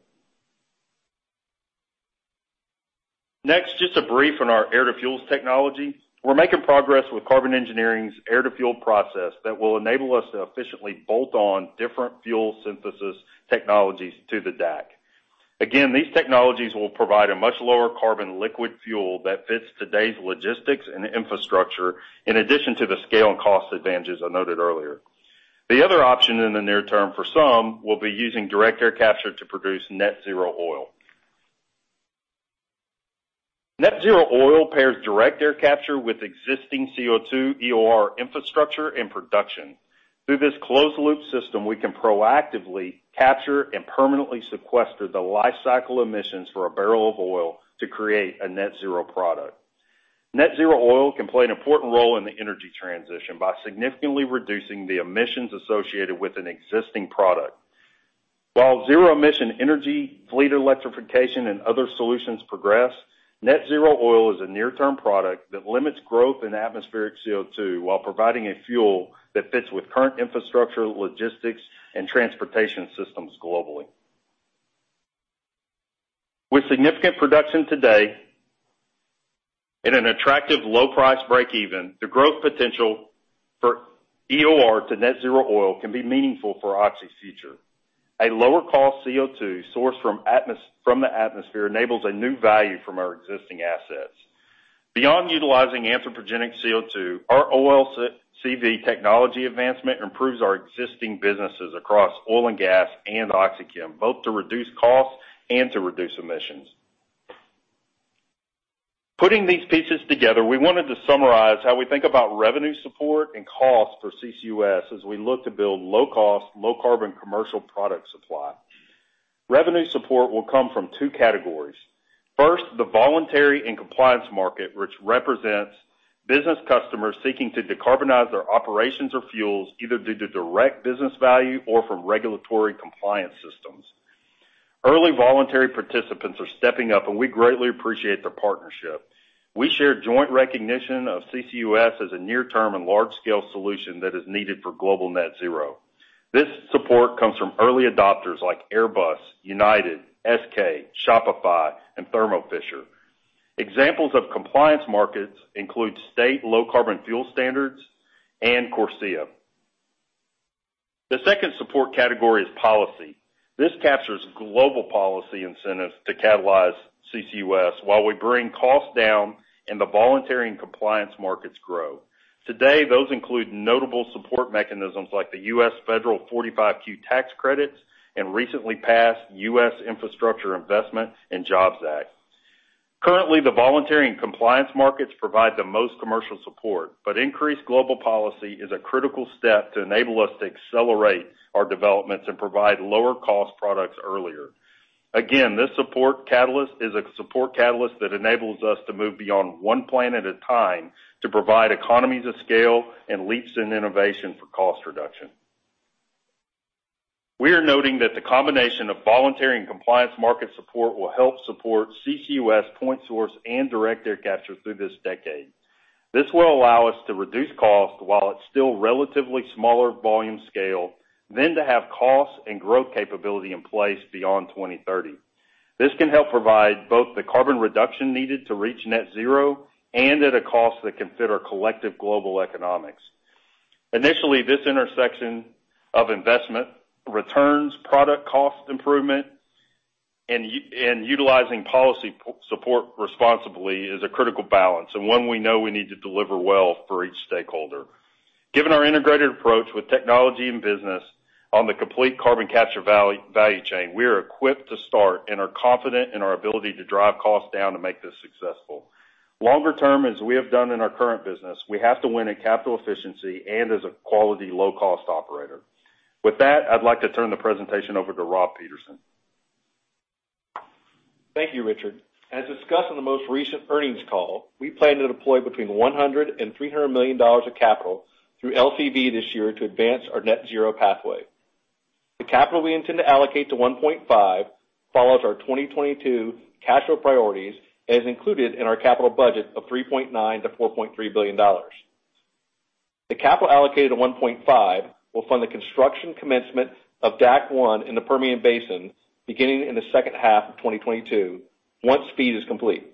Next, just a brief on our air-to-fuels technology. We're making progress with Carbon Engineering's air-to-fuel process that will enable us to efficiently bolt on different fuel synthesis technologies to the DAC. Again, these technologies will provide a much lower carbon liquid fuel that fits today's logistics and infrastructure in addition to the scale and cost advantages I noted earlier. The other option in the near term for some will be using direct air capture to produce net zero oil. Net zero oil pairs direct air capture with existing CO2 EOR infrastructure and production. Through this closed loop system, we can proactively capture and permanently sequester the lifecycle emissions for a barrel of oil to create a net zero product. Net zero oil can play an important role in the energy transition by significantly reducing the emissions associated with an existing product. While zero emission energy, fleet electrification, and other solutions progress, net zero oil is a near-term product that limits growth in atmospheric CO2 while providing a fuel that fits with current infrastructure, logistics, and transportation systems globally. With significant production today in an attractive low price break even, the growth potential for EOR to net zero oil can be meaningful for Oxy's future. A lower cost CO2 sourced from the atmosphere enables a new value from our existing assets. Beyond utilizing anthropogenic CO2, our OLCV technology advancement improves our existing businesses across oil and gas and OxyChem, both to reduce costs and to reduce emissions. Putting these pieces together, we wanted to summarize how we think about revenue support and cost for CCUS as we look to build low cost, low carbon commercial product supply. Revenue support will come from two categories. First, the voluntary and compliance market, which represents business customers seeking to decarbonize their operations or fuels either due to direct business value or from regulatory compliance systems. Early voluntary participants are stepping up, and we greatly appreciate their partnership. We share joint recognition of CCUS as a near-term and large-scale solution that is needed for global net zero. This support comes from early adopters like Airbus, United, SK, Shopify, and Thermo Fisher. Examples of compliance markets include state low carbon fuel standards and CORSIA. The second support category is policy. This captures global policy incentives to catalyze CCUS while we bring costs down and the voluntary and compliance markets grow. Today, those include notable support mechanisms like the U.S. Federal 45Q tax credits and recently passed U.S. Infrastructure Investment and Jobs Act. Currently, the voluntary and compliance markets provide the most commercial support, but increased global policy is a critical step to enable us to accelerate our developments and provide lower cost products earlier. Again, this support catalyst is a support catalyst that enables us to move beyond one plan at a time to provide economies of scale and leaps in innovation for cost reduction. We are noting that the combination of voluntary and compliance market support will help support CCUS point source and direct air capture through this decade. This will allow us to reduce cost while it's still relatively smaller volume scale than to have costs and growth capability in place beyond 2030. This can help provide both the carbon reduction needed to reach net zero and at a cost that can fit our collective global economics. Initially, this intersection of investment returns product cost improvement and utilizing policy support responsibly is a critical balance and one we know we need to deliver well for each stakeholder. Given our integrated approach with technology and business on the complete carbon capture value chain, we are equipped to start and are confident in our ability to drive costs down to make this successful. Longer term, as we have done in our current business, we have to win at capital efficiency and as a quality low cost operator. With that, I'd like to turn the presentation over to Rob Peterson. Thank you, Richard. As discussed on the most recent earnings call, we plan to deploy between $100 million and $300 million of capital through LTV this year to advance our net zero pathway. The capital we intend to allocate to 1PointFive follows our 2022 capital priorities and is included in our capital budget of $3.9 billion-$4.3 billion. The capital allocated to 1PointFive will fund the construction commencement of DAC One in the Permian Basin beginning in the second half of 2022 once FEED is complete.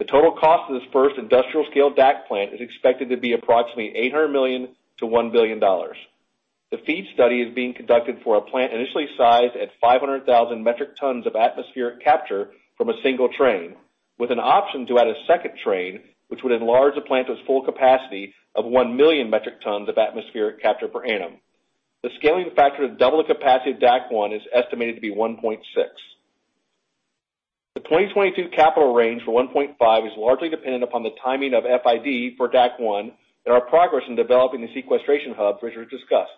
The total cost of this first industrial-scale DAC plant is expected to be approximately $800 million-$1 billion. The FEED study is being conducted for a plant initially sized at 500,000 metric tons of atmospheric capture from a single train, with an option to add a second train, which would enlarge the plant to its full capacity of 1 million metric tons of atmospheric capture per annum. The scaling factor to double the capacity of DAC One is estimated to be 1.6. The 2022 capital range for 1PointFive is largely dependent upon the timing of FID for DAC One and our progress in developing the sequestration hubs which were discussed.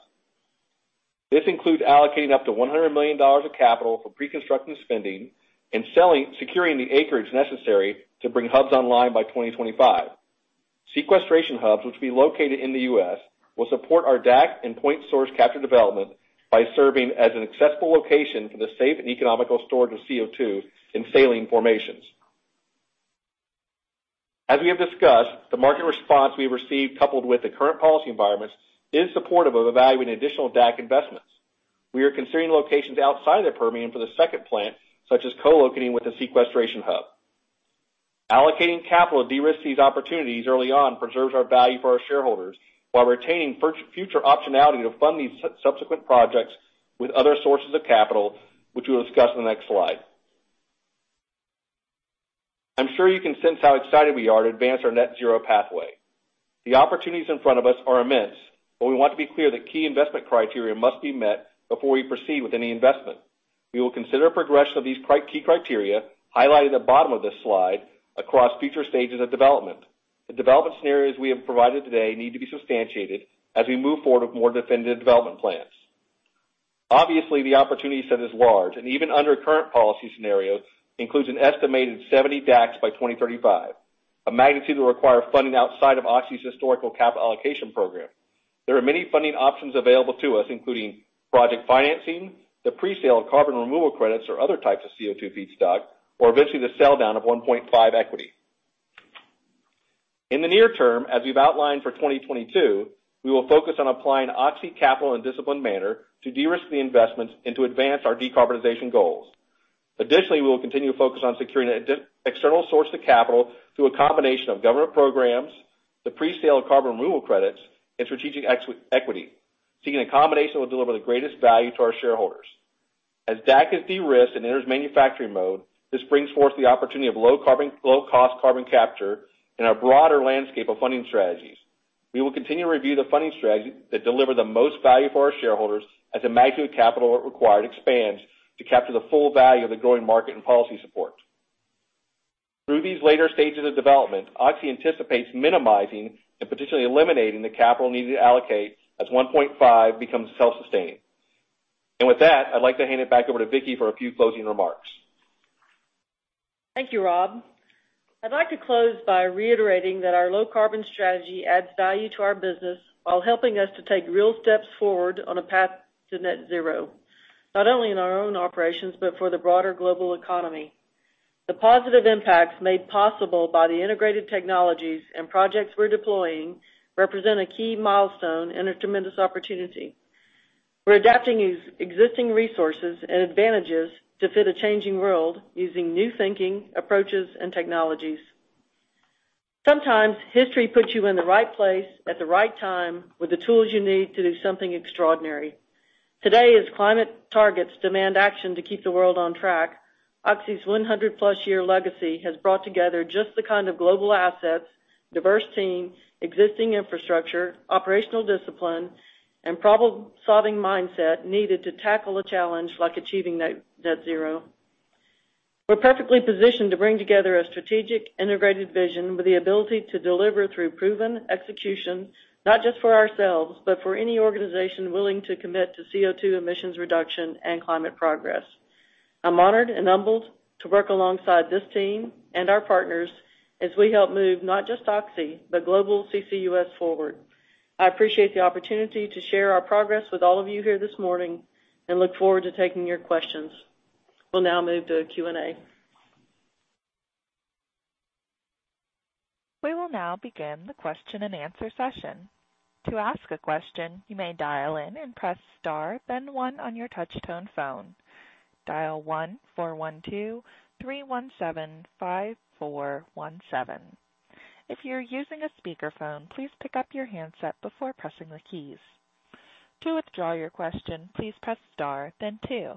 This includes allocating up to $100 million of capital for pre-construction spending and securing the acreage necessary to bring hubs online by 2025. Sequestration hubs, which will be located in the U.S., will support our DAC and point-source capture development by serving as an accessible location for the safe and economical storage of CO2 in saline formations. As we have discussed, the market response we received, coupled with the current policy environment, is supportive of evaluating additional DAC investments. We are considering locations outside the Permian for the second plant, such as co-locating with a sequestration hub. Allocating capital to de-risk these opportunities early on preserves our value for our shareholders while retaining future optionality to fund these subsequent projects with other sources of capital, which we'll discuss in the next slide. I'm sure you can sense how excited we are to advance our net zero pathway. The opportunities in front of us are immense, but we want to be clear that key investment criteria must be met before we proceed with any investment. We will consider a progression of these key criteria highlighted at the bottom of this slide across future stages of development. The development scenarios we have provided today need to be substantiated as we move forward with more definitive development plans. Obviously, the opportunity set is large, and even under current policy scenarios, includes an estimated 70 DACs by 2035, a magnitude that will require funding outside of Oxy's historical capital allocation program. There are many funding options available to us, including project financing, the pre-sale of carbon removal credits or other types of CO2 feedstock, or eventually the sell-down of 1PointFive equity. In the near term, as we've outlined for 2022, we will focus on applying Oxy capital in a disciplined manner to de-risk the investments and to advance our decarbonization goals. Additionally, we will continue to focus on securing an external source of capital through a combination of government programs, the pre-sale of carbon removal credits, and strategic equity, seeking a combination that will deliver the greatest value to our shareholders. As DAC is de-risked and enters manufacturing mode, this brings forth the opportunity of low cost carbon capture in our broader landscape of funding strategies. We will continue to review the funding strategies that deliver the most value for our shareholders as the magnitude of capital required expands to capture the full value of the growing market and policy support. Through these later stages of development, Oxy anticipates minimizing and potentially eliminating the capital needed to allocate as 1PointFive becomes self-sustaining. With that, I'd like to hand it back over to Vicki for a few closing remarks. Thank you, Rob. I'd like to close by reiterating that our low carbon strategy adds value to our business while helping us to take real steps forward on a path to net zero, not only in our own operations, but for the broader global economy. The positive impacts made possible by the integrated technologies and projects we're deploying represent a key milestone and a tremendous opportunity. We're adapting existing resources and advantages to fit a changing world using new thinking, approaches, and technologies. Sometimes history puts you in the right place at the right time with the tools you need to do something extraordinary. Today, as climate targets demand action to keep the world on track, Oxy's 100+ year legacy has brought together just the kind of global assets, diverse team, existing infrastructure, operational discipline, and problem-solving mindset needed to tackle a challenge like achieving net zero. We're perfectly positioned to bring together a strategic integrated vision with the ability to deliver through proven execution, not just for ourselves, but for any organization willing to commit to CO2 emissions reduction and climate progress. I'm honored and humbled to work alongside this team and our partners as we help move not just Oxy, but global CCUS forward. I appreciate the opportunity to share our progress with all of you here this morning, and look forward to taking your questions. We'll now move to Q&A. We will now begin the question-and-answer session. To ask a question, you may dial in and press star, then one on your touch-tone phone. Dial 1-412-317-5417. If you're using a speakerphone, please pick up your handset before pressing the keys. To withdraw your question, please press star then two.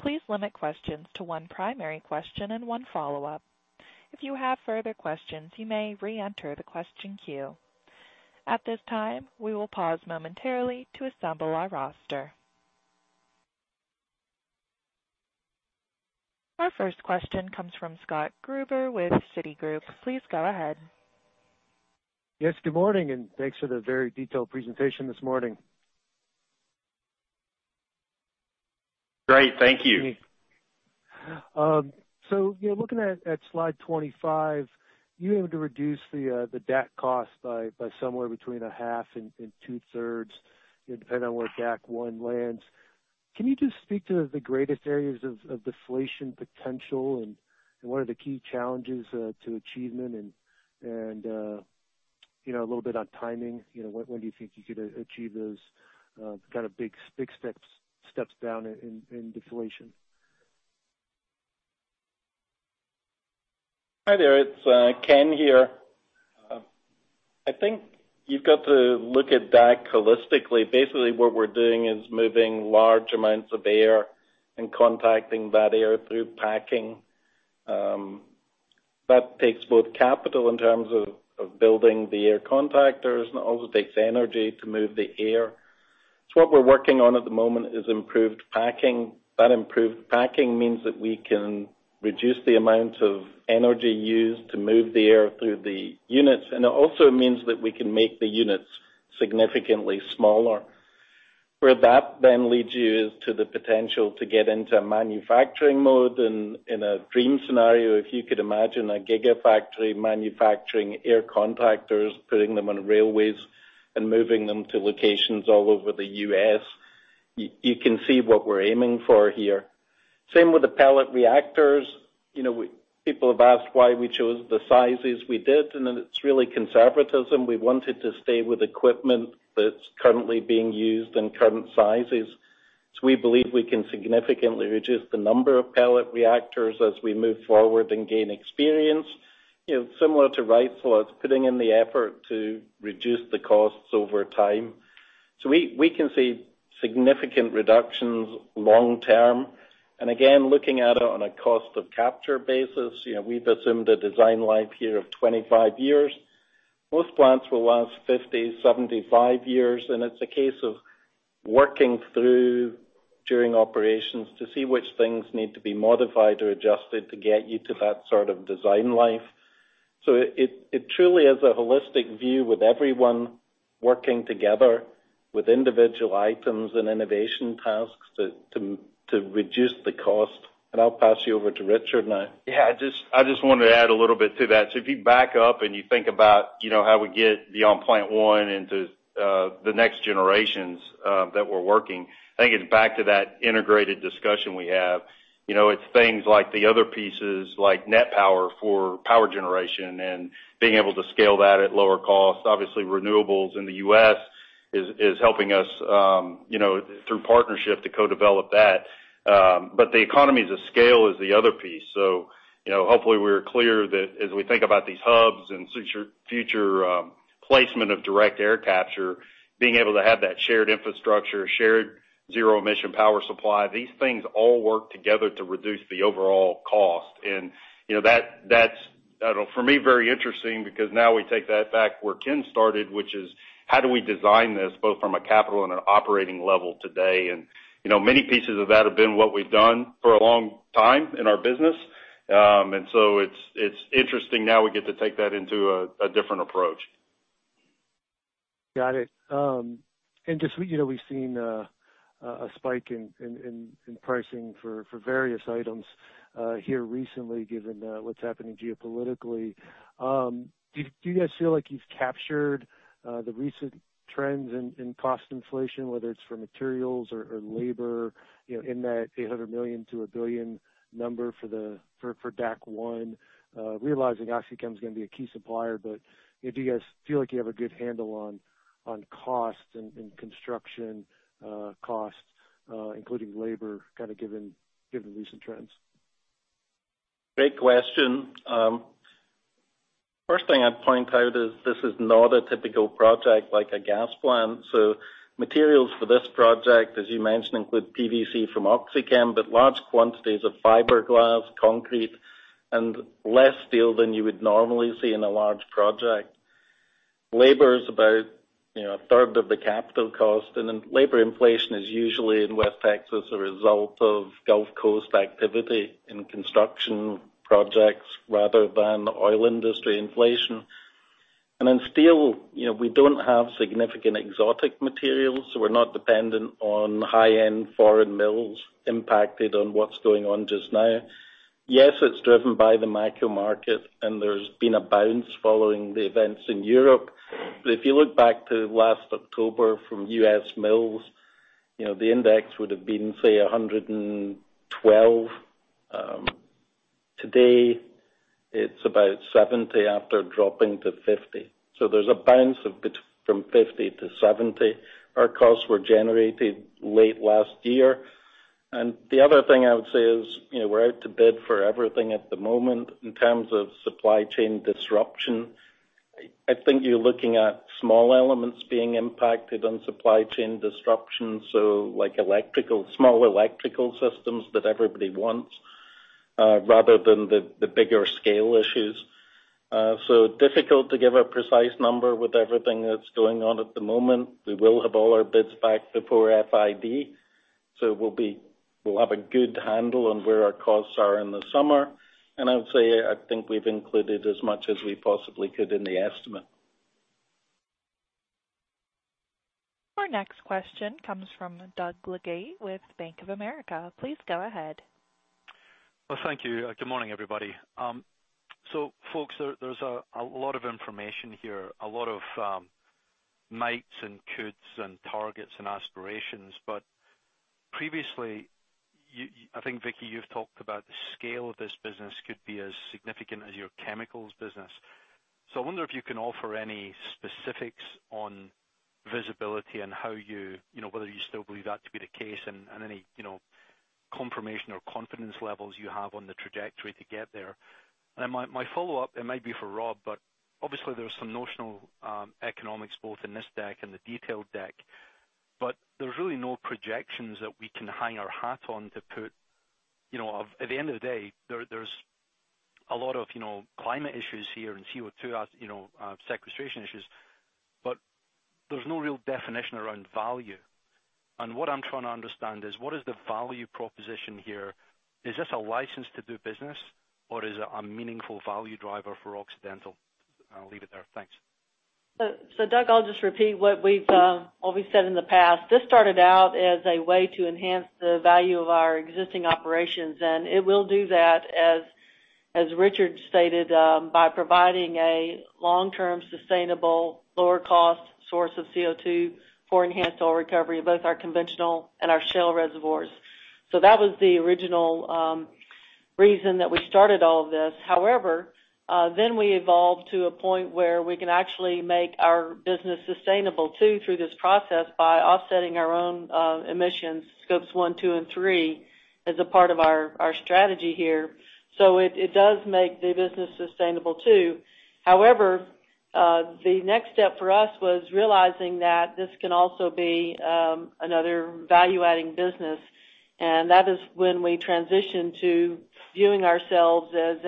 Please limit questions to one primary question and one follow-up. If you have further questions, you may reenter the question queue. At this time, we will pause momentarily to assemble our roster. Our first question comes from Scott Gruber with Citigroup. Please go ahead. Yes, good morning, and thanks for the very detailed presentation this morning. Great. Thank you. You know, looking at slide 25, you aim to reduce the DAC cost by somewhere between a half and two-thirds, you know, depending on where DAC One lands. Can you just speak to the greatest areas of deflation potential and what are the key challenges to achievement and, you know, a little bit on timing? You know, when do you think you could achieve those kind of big steps down in deflation? Hi there, it's Ken here. I think you've got to look at DAC holistically. Basically what we're doing is moving large amounts of air and contacting that air through packing. That takes both capital in terms of building the air contactors, and it also takes energy to move the air. What we're working on at the moment is improved packing. That improved packing means that we can reduce the amount of energy used to move the air through the units, and it also means that we can make the units significantly smaller. Where that then leads you is to the potential to get into a manufacturing mode. In a dream scenario, if you could imagine a gigafactory manufacturing air contactors, putting them on railways and moving them to locations all over the U.S., you can see what we're aiming for here. Same with the pellet reactors. You know, people have asked why we chose the sizes we did, and it's really conservatism. We wanted to stay with equipment that's currently being used in current sizes. We believe we can significantly reduce the number of pellet reactors as we move forward and gain experience. You know, similar to Rice, it's putting in the effort to reduce the costs over time. We can see significant reductions long term. Again, looking at it on a cost of capture basis, you know, we've assumed a design life here of 25 years. Most plants will last 50, 75 years, and it's a case of working through during operations to see which things need to be modified or adjusted to get you to that sort of design life. It truly is a holistic view with everyone working together with individual items and innovation tasks to reduce the cost. I'll pass you over to Richard now. Yeah, I just wanted to add a little bit to that. If you back up and you think about, you know, how we get beyond plant one into the next generations that we're working, I think it's back to that integrated discussion we have. You know, it's things like the other pieces, like NET Power for power generation and being able to scale that at lower cost. Obviously, renewables in the U.S. is helping us, you know, through partnership to co-develop that. The economies of scale is the other piece. You know, hopefully we're clear that as we think about these hubs and future placement of direct air capture, being able to have that shared infrastructure, shared zero-emission power supply, these things all work together to reduce the overall cost. You know, that's, I don't know, for me, very interesting because now we take that back where Ken started, which is how do we design this both from a capital and an operating level today. You know, many pieces of that have been what we've done for a long time in our business. It's interesting now we get to take that into a different approach. Got it. Just, you know, we've seen a spike in pricing for various items here recently given what's happening geopolitically. Do you guys feel like you've captured the recent trends in cost inflation, whether it's for materials or labor, you know, in that $800 million-$1 billion number for DAC One, realizing OxyChem is gonna be a key supplier, but do you guys feel like you have a good handle on costs and construction costs including labor kind of given recent trends? Great question. First thing I'd point out is this is not a typical project like a gas plant. Materials for this project, as you mentioned, include PVC from OxyChem, but large quantities of fiberglass, concrete, and less steel than you would normally see in a large project. Labor is about, you know, a third of the capital cost, and then labor inflation is usually in West Texas, a result of Gulf Coast activity in construction projects rather than oil industry inflation. In steel, you know, we don't have significant exotic materials, so we're not dependent on high-end foreign mills impacted on what's going on just now. Yes, it's driven by the macro market and there's been a bounce following the events in Europe. If you look back to last October from U.S. Mills, you know, the index would have been, say, 112. Today it's about $70 after dropping to $50. There's a bounce from $50-$70. Our costs were generated late last year. The other thing I would say is, you know, we're out to bid for everything at the moment in terms of supply chain disruption. I think you're looking at small elements being impacted on supply chain disruptions. Like small electrical systems that everybody wants, rather than the bigger scale issues. It's difficult to give a precise number with everything that's going on at the moment. We will have all our bids back before FID, so we'll have a good handle on where our costs are in the summer. I would say, I think we've included as much as we possibly could in the estimate. Our next question comes from Doug Leggate with Bank of America. Please go ahead. Well, thank you. Good morning, everybody. Folks, there's a lot of information here, a lot of mights and coulds and targets and aspirations. Previously, you I think, Vicki, you've talked about the scale of this business could be as significant as your chemicals business. I wonder if you can offer any specifics on visibility and how you know whether you still believe that to be the case and any you know confirmation or confidence levels you have on the trajectory to get there. My follow-up, it might be for Rob, but obviously there's some notional economics both in this deck and the detailed deck. There's really no projections that we can hang our hat on to put you know of. At the end of the day, there's a lot of, you know, climate issues here and CO2 as, you know, sequestration issues. There's no real definition around value. What I'm trying to understand is: What is the value proposition here? Is this a license to do business, or is it a meaningful value driver for Occidental? I'll leave it there. Thanks. Doug, I'll just repeat what we've said in the past. This started out as a way to enhance the value of our existing operations, and it will do that, as Richard stated, by providing a long-term, sustainable, lower cost source of CO2 for enhanced oil recovery in both our conventional and our shale reservoirs. That was the original reason that we started all of this. However, then we evolved to a point where we can actually make our business sustainable too through this process by offsetting our own emissions, Scope one, two and three, as a part of our strategy here. It does make the business sustainable too. However, the next step for us was realizing that this can also be another value-adding business, and that is when we transitioned to viewing ourselves as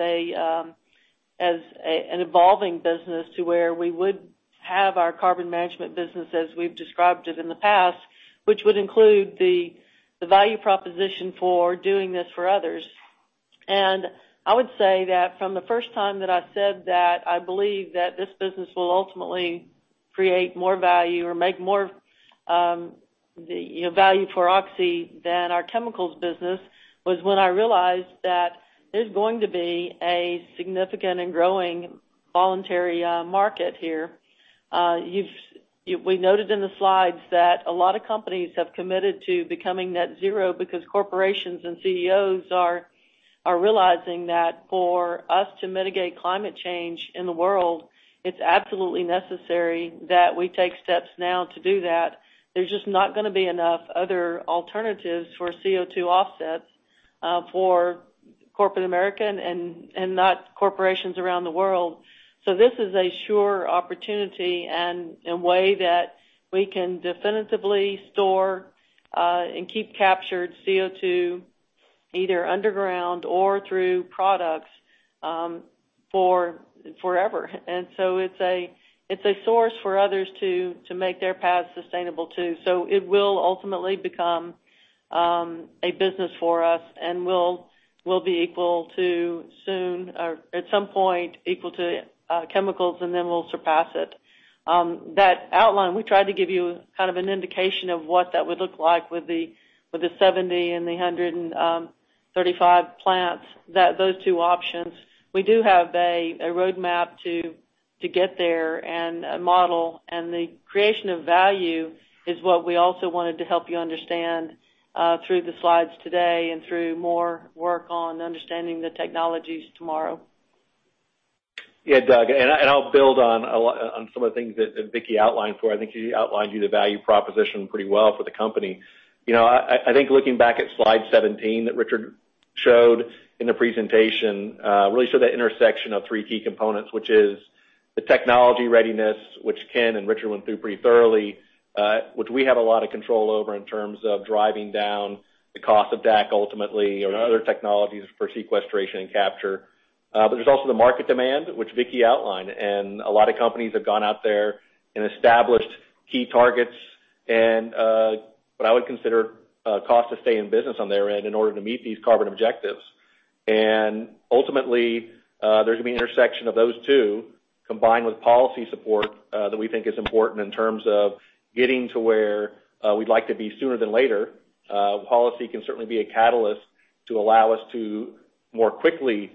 an evolving business to where we would have our carbon management business as we've described it in the past, which would include the value proposition for doing this for others. I would say that from the first time that I said that I believe that this business will ultimately create more value or make more value for Oxy than our chemicals business was when I realized that there's going to be a significant and growing voluntary market here. We noted in the slides that a lot of companies have committed to becoming net zero because corporations and CEOs are realizing that for us to mitigate climate change in the world, it's absolutely necessary that we take steps now to do that. There's just not gonna be enough other alternatives for CO2 offsets for corporate America and not corporations around the world. This is a sure opportunity and way that we can definitively store and keep captured CO2 either underground or through products for forever. It's a source for others to make their paths sustainable too. It will ultimately become a business for us and will be equal to soon or at some point equal to chemicals, and then we'll surpass it. That outline, we tried to give you kind of an indication of what that would look like with the 70 and the 135 plants, that those two options. We do have a roadmap to get there and a model, and the creation of value is what we also wanted to help you understand through the slides today and through more work on understanding the technologies tomorrow. Doug, I'll build on a lot—on some of the things that Vicki outlined. I think she outlined to you the value proposition pretty well for the company. You know, I think looking back at slide 17 that Richard showed in the presentation really showed the intersection of three key components, which is the technology readiness, which Ken and Richard went through pretty thoroughly, which we have a lot of control over in terms of driving down the cost of DAC ultimately or other technologies for sequestration and capture. But there's also the market demand, which Vicki outlined. A lot of companies have gone out there and established key targets and what I would consider a cost to stay in business on their end in order to meet these carbon objectives. Ultimately, there's gonna be an intersection of those two, combined with policy support, that we think is important in terms of getting to where we'd like to be sooner than later. Policy can certainly be a catalyst to allow us to more quickly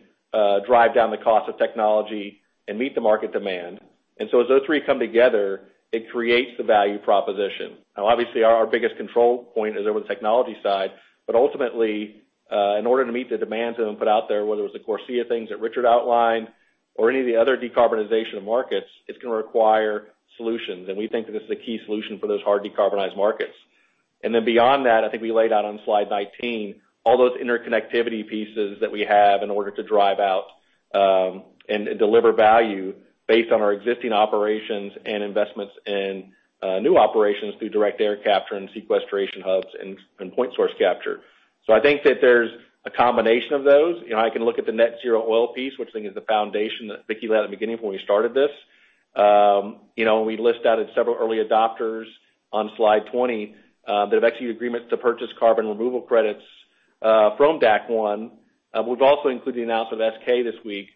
drive down the cost of technology and meet the market demand. As those three come together, it creates the value proposition. Now, obviously our biggest control point is over the technology side. Ultimately, in order to meet the demands that have been put out there, whether it's the CORSIA things that Richard outlined or any of the other decarbonization markets, it's gonna require solutions. We think that this is a key solution for those hard decarbonized markets. Beyond that, I think we laid out on slide 19 all those interconnectivity pieces that we have in order to drive out and deliver value based on our existing operations and investments in new operations through direct air capture and sequestration hubs and point source capture. I think that there's a combination of those. You know, I can look at the net zero oil piece, which I think is the foundation that Vicki laid at the beginning when we started this. You know, we list out several early adopters on slide 20 that have executed agreements to purchase carbon removal credits from DAC One. We've also included the announcement of SK this week,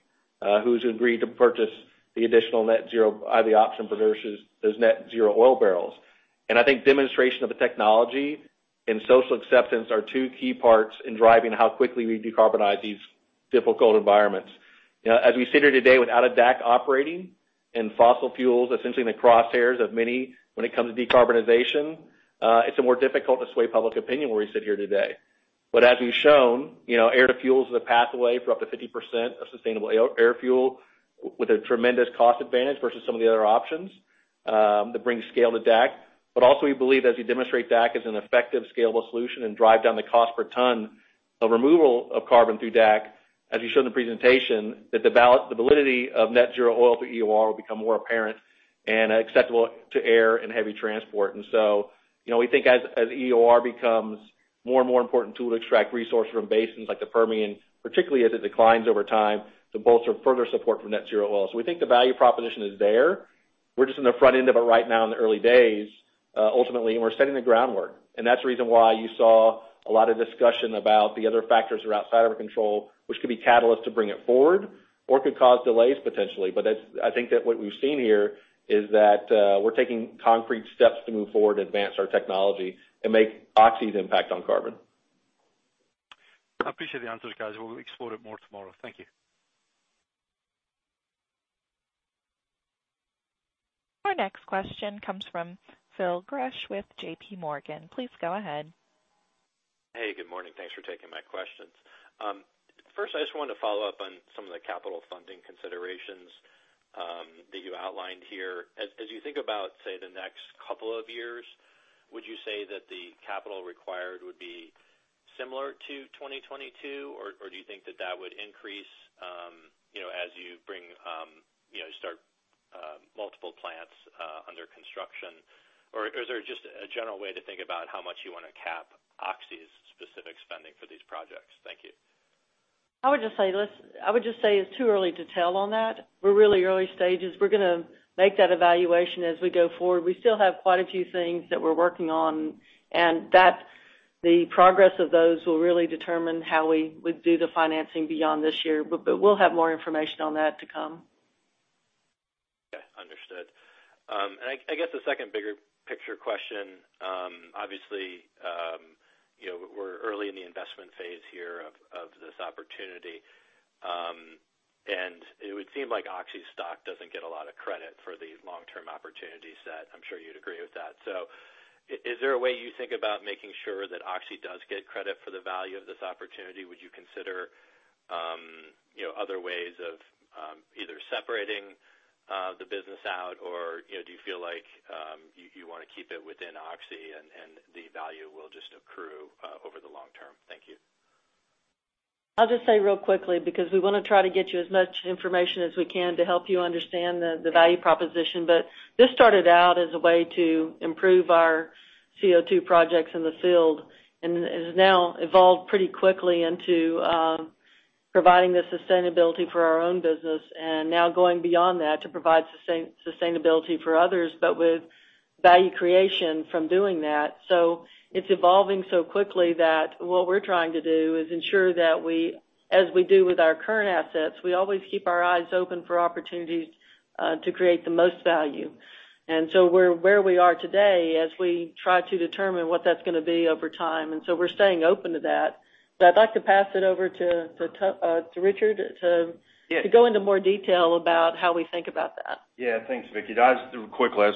who's agreed to purchase the additional net zero, the option purchases, those net zero oil barrels. I think demonstration of the technology and social acceptance are two key parts in driving how quickly we decarbonize these difficult environments. You know, as we sit here today without a DAC operating and fossil fuels essentially in the crosshairs of many when it comes to decarbonization, it's more difficult to sway public opinion where we sit here today. As we've shown, you know, air-to-fuel is a pathway for up to 50% of sustainable air fuel with a tremendous cost advantage versus some of the other options that bring scale to DAC. Also, we believe as we demonstrate DAC as an effective scalable solution and drive down the cost per ton of removal of carbon through DAC, as we showed in the presentation, that the validity of net zero oil to EOR will become more apparent and acceptable to air and heavy transport. You know, we think as EOR becomes more and more important tool to extract resource from basins like the Permian, particularly as it declines over time, to bolster further support from net zero oil. We think the value proposition is there. We're just in the front end of it right now in the early days, ultimately, and we're setting the groundwork. That's the reason why you saw a lot of discussion about the other factors that are outside of our control, which could be catalyst to bring it forward or could cause delays potentially. I think that what we've seen here is that we're taking concrete steps to move forward to advance our technology and make Oxy's impact on carbon. I appreciate the answers, guys. We'll explore it more tomorrow. Thank you. Our next question comes from Phil Gresh with JPMorgan. Please go ahead. Hey, good morning. Thanks for taking my questions. First, I just wanted to follow up on some of the capital funding considerations that you outlined here. As you think about, say, the next couple of years, would you say that the capital required would be similar to 2022, or do you think that would increase, you know, as you start multiple plants under construction? Or is there just a general way to think about how much you wanna cap Oxy's specific spending for these projects? Thank you. I would just say it's too early to tell on that. We're really early stages. We're gonna make that evaluation as we go forward. We still have quite a few things that we're working on, and that the progress of those will really determine how we would do the financing beyond this year. We'll have more information on that to come. Yeah. Understood. I guess the second bigger picture question, obviously, you know, we're early in the investment phase here of this opportunity, and it would seem like Oxy's stock doesn't get a lot of credit for the long-term opportunity set. I'm sure you'd agree with that. Is there a way you think about making sure that Oxy does get credit for the value of this opportunity? Would you consider, you know, other ways of either separating the business out or, you know, do you feel like you wanna keep it within Oxy and the value will just accrue over the long term? Thank you. I'll just say real quickly, because we wanna try to get you as much information as we can to help you understand the value proposition. This started out as a way to improve our CO2 projects in the field, and it has now evolved pretty quickly into providing the sustainability for our own business and now going beyond that to provide sustainability for others, but with value creation from doing that. It's evolving so quickly that what we're trying to do is ensure that we, as we do with our current assets, we always keep our eyes open for opportunities to create the most value. We're where we are today as we try to determine what that's gonna be over time. We're staying open to that. I'd like to pass it over to Richard to- Yeah. to go into more detail about how we think about that. Yeah. Thanks, Vicki. Just real quickly,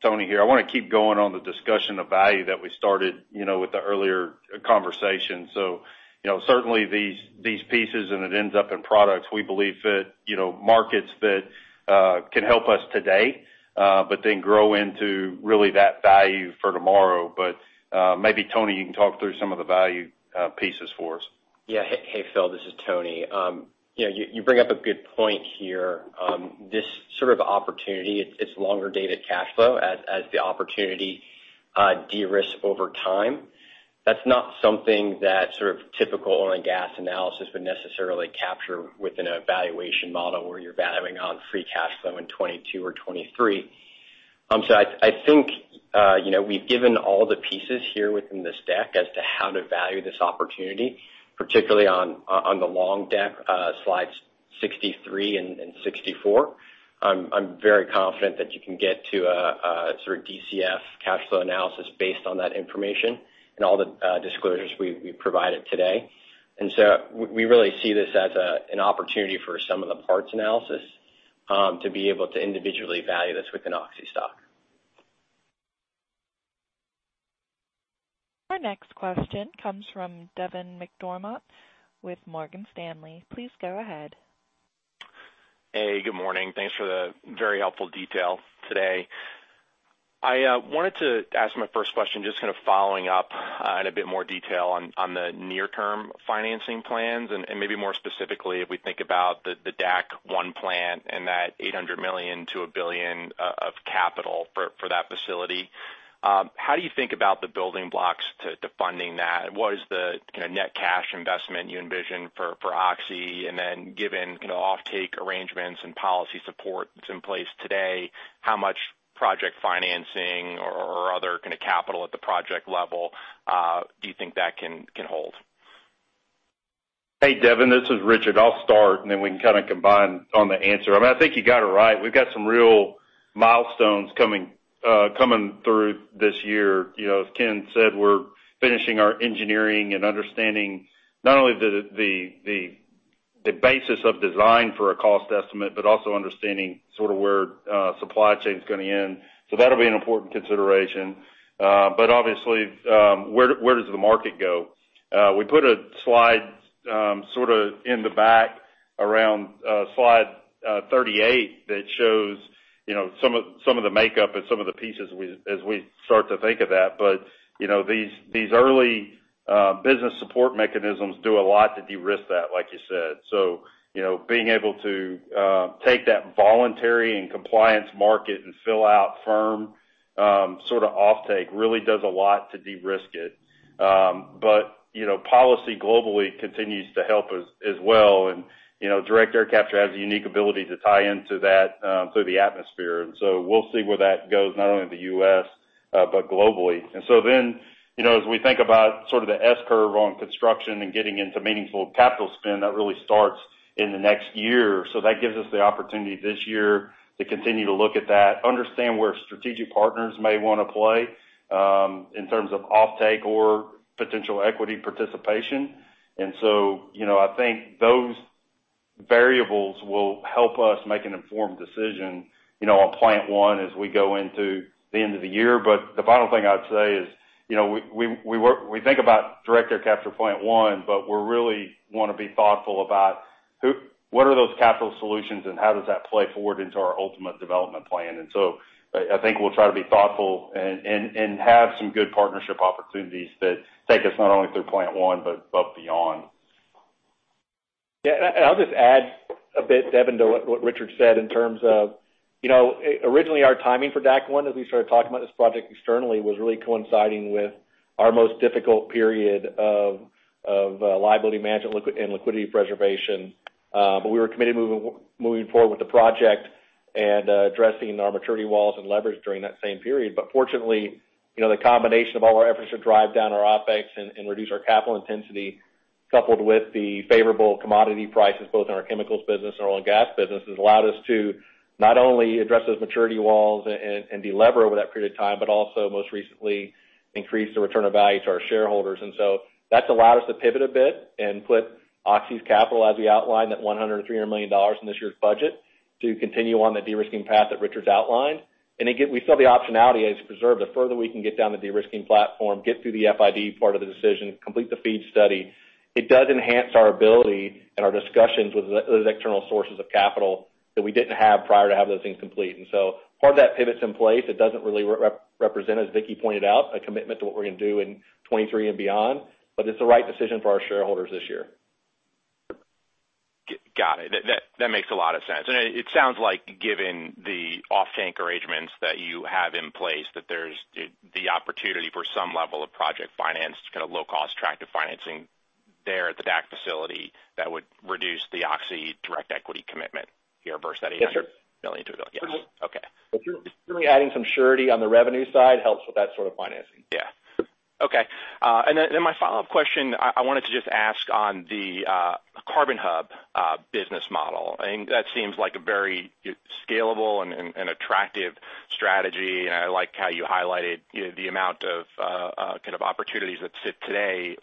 Tony here. I wanna keep going on the discussion of value that we started, you know, with the earlier conversation. You know, certainly these pieces, and it ends up in products we believe fit, you know, markets that can help us today, but then grow into really that value for tomorrow. Maybe Tony, you can talk through some of the value pieces for us. Yeah. Hey, Phil, this is Tony. You know, you bring up a good point here. This sort of opportunity, it's longer dated cash flow as the opportunity de-risk over time. That's not something that sort of typical oil and gas analysis would necessarily capture within a valuation model where you're valuing on free cash flow in 2022 or 2023. I think, you know, we've given all the pieces here within this deck as to how to value this opportunity, particularly on the long deck, slides 63 and 64. I'm very confident that you can get to a sort of DCF cash flow analysis based on that information and all the disclosures we provided today. We really see this as an opportunity for some of the parts analysis to be able to individually value this within Oxy's stock. Our next question comes from Devin McDermott with Morgan Stanley. Please go ahead. Hey, good morning. Thanks for the very helpful detail today. I wanted to ask my first question, just kind of following up in a bit more detail on the near-term financing plans and maybe more specifically, if we think about the DAC One plan and that $800 million-$1 billion of capital for that facility. How do you think about the building blocks to funding that? What is the kinda net cash investment you envision for Oxy? And then given kinda offtake arrangements and policy support that's in place today, how much project financing or other kinda capital at the project level do you think that can hold? Hey, Devin, this is Richard. I'll start, and then we can kind of combine on the answer. I mean, I think you got it right. We've got some real milestones coming through this year. You know, as Ken said, we're finishing our engineering and understanding not only the basis of design for a cost estimate, but also understanding sort of where supply chain is gonna end. That'll be an important consideration. Obviously, where does the market go? We put a slide sorta in the back around slide 38 that shows, you know, some of the makeup and some of the pieces as we start to think of that. You know, these early business support mechanisms do a lot to de-risk that, like you said. You know, being able to take that voluntary and compliance market and fill out firm sort of offtake really does a lot to de-risk it. You know, policy globally continues to help as well. You know, direct air capture has a unique ability to tie into that through the atmosphere. We'll see where that goes, not only in the U.S., but globally. You know, as we think about sort of the S curve on construction and getting into meaningful capital spend, that really starts in the next year. That gives us the opportunity this year to continue to look at that, understand where strategic partners may wanna play in terms of offtake or potential equity participation. You know, I think those variables will help us make an informed decision, you know, on plant one as we go into the end of the year. The final thing I'd say is, you know, we think about direct air capture plant one, but we're really wanna be thoughtful about what are those capital solutions and how does that play forward into our ultimate development plan. I think we'll try to be thoughtful and have some good partnership opportunities that take us not only through plant one, but beyond. Yeah, I'll just add a bit, Devin, to what Richard said in terms of, you know, originally our timing for DAC One as we started talking about this project externally was really coinciding with our most difficult period of liability management and liquidity preservation. We were committed to moving forward with the project and addressing our maturity walls and leverage during that same period. Fortunately, you know, the combination of all our efforts to drive down our OpEx and reduce our capital intensity, coupled with the favorable commodity prices both in our chemicals business and oil and gas business, has allowed us to not only address those maturity walls and de-lever over that period of time, but also most recently increased the return of value to our shareholders. That's allowed us to pivot a bit and put Oxy's capital as we outlined that $100 million-$300 million in this year's budget to continue on the de-risking path that Richard outlined. We still have the optionality preserved. The further we can get down the de-risking platform, get through the FID part of the decision, complete the FEED study, it does enhance our ability and our discussions with those external sources of capital that we didn't have prior to have those things complete. Part of that pivot's in place. It doesn't really represent, as Vicki pointed out, a commitment to what we're gonna do in 2023 and beyond, but it's the right decision for our shareholders this year. Got it. That makes a lot of sense. It sounds like given the offtake arrangements that you have in place, that there's the opportunity for some level of project finance to kind of low-cost tranche of financing there at the DAC facility that would reduce the Oxy direct equity commitment here versus that $800- Yes, sir. million to a billion. Totally. Okay. If you're adding some surety on the revenue side, helps with that sort of financing. Yeah. Okay. Then my follow-up question, I wanted to just ask on the carbon hub business model, and that seems like a very scalable and attractive strategy. I like how you highlighted, you know, the amount of kind of opportunities that sit today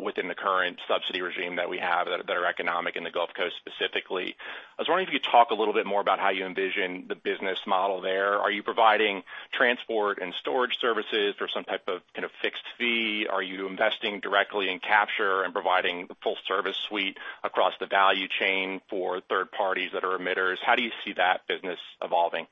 within the current subsidy regime that we have that are economic in the Gulf Coast specifically. I was wondering if you could talk a little bit more about how you envision the business model there. Are you providing transport and storage services for some type of kind of fixed fee? Are you investing directly in capture and providing the full service suite across the value chain for third parties that are emitters? How do you see that business evolving?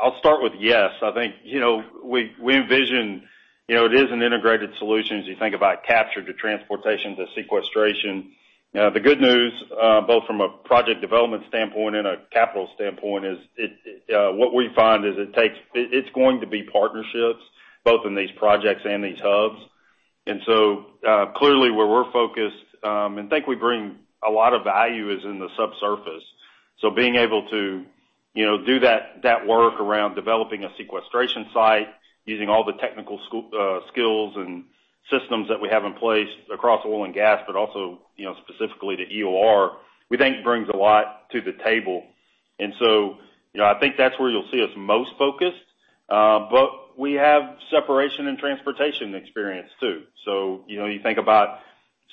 I'll start with yes. I think, you know, we envision, you know, it is an integrated solution as you think about capture to transportation to sequestration. The good news, both from a project development standpoint and a capital standpoint, is it's going to be partnerships both in these projects and these hubs. Clearly where we're focused and think we bring a lot of value is in the subsurface. Being able to, you know, do that work around developing a sequestration site using all the technical skills and systems that we have in place across oil and gas, but also, you know, specifically to EOR, we think brings a lot to the table. I think that's where you'll see us most focused. We have separation and transportation experience too. You know, you think about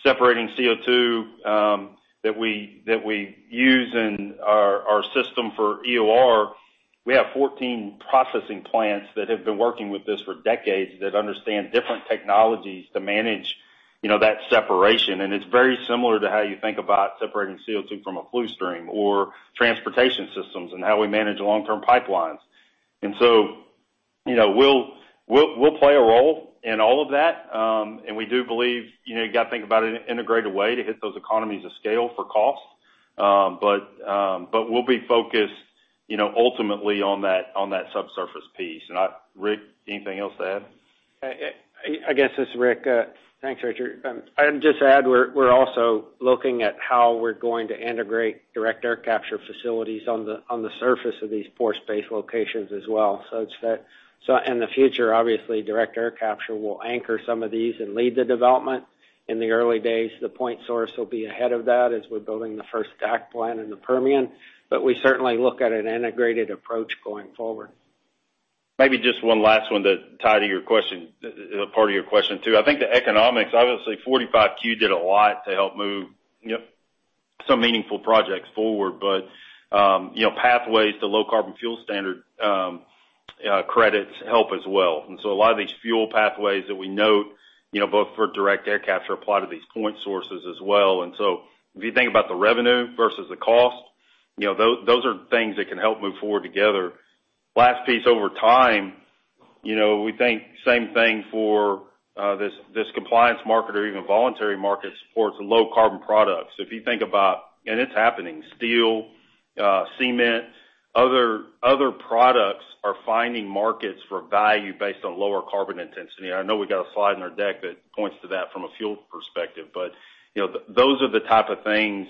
separating CO2 that we use in our system for EOR. We have 14 processing plants that have been working with this for decades that understand different technologies to manage, you know, that separation. It's very similar to how you think about separating CO2 from a flue stream or transportation systems and how we manage long-term pipelines. You know, we'll play a role in all of that. We do believe, you know, you gotta think about it in an integrated way to hit those economies of scale for cost. We'll be focused, you know, ultimately on that subsurface piece. I, Rick, anything else to add? I guess it's Rick. Thanks, Richard. I'd just add we're also looking at how we're going to integrate direct air capture facilities on the surface of these pore space locations as well. In the future, obviously, direct air capture will anchor some of these and lead the development. In the early days, the point source will be ahead of that as we're building the first DAC plant in the Permian, but we certainly look at an integrated approach going forward. Maybe just one last one to tie to your question, part of your question too. I think the economics, obviously, 45Q did a lot to help move- Yep. Pushing some meaningful projects forward, you know, pathways to low carbon fuel standard credits help as well. A lot of these fuel pathways that we note, you know, both for direct air capture apply to these point sources as well. If you think about the revenue versus the cost, you know, those are things that can help move forward together. Last piece over time, you know, we think same thing for this compliance market or even voluntary market supports low carbon products. If you think about, and it's happening, steel, cement, other products are finding markets for value based on lower carbon intensity. I know we've got a slide in our deck that points to that from a fuel perspective, but, you know, those are the type of things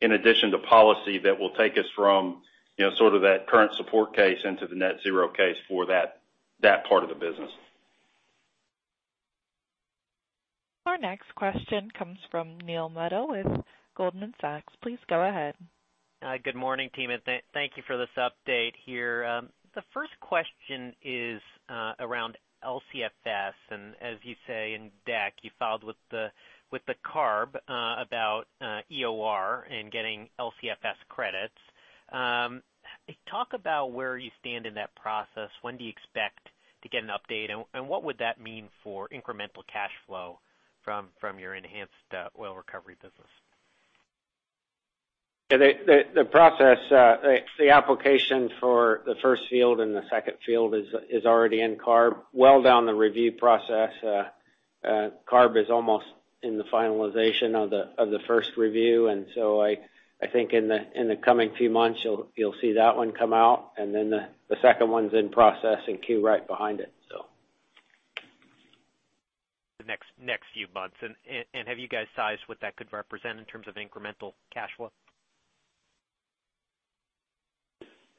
in addition to policy that will take us from, you know, sort of that current support case into the net zero case for that part of the business. Our next question comes from Neil Mehta with Goldman Sachs. Please go ahead. Good morning, team, and thank you for this update here. The first question is around LCFS. As you say in DAC, you filed with the CARB about EOR and getting LCFS credits. Talk about where you stand in that process. When do you expect to get an update? And what would that mean for incremental cash flow from your enhanced oil recovery business? Yeah, the process, it's the application for the first fuel, and the second fuel is already in CARB, well down the review process. CARB is almost in the finalization of the first review. I think in the coming few months, you'll see that one come out, and then the second one's in process and in queue right behind it. The next few months. Have you guys sized what that could represent in terms of incremental cash flow?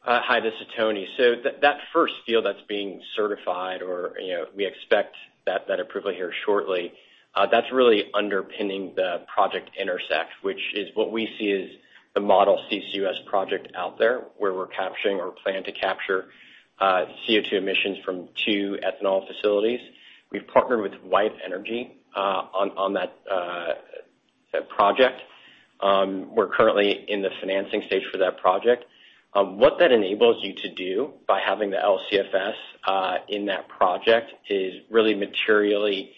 Hi, this is Tony. That first deal that's being certified or, you know, we expect that approval here shortly, that's really underpinning the Project Intersect, which is what we see as the model CCUS project out there, where we're capturing or plan to capture CO2 emissions from two ethanol facilities. We've partnered with White Energy on that project. We're currently in the financing stage for that project. What that enables you to do by having the LCFS in that project is really materially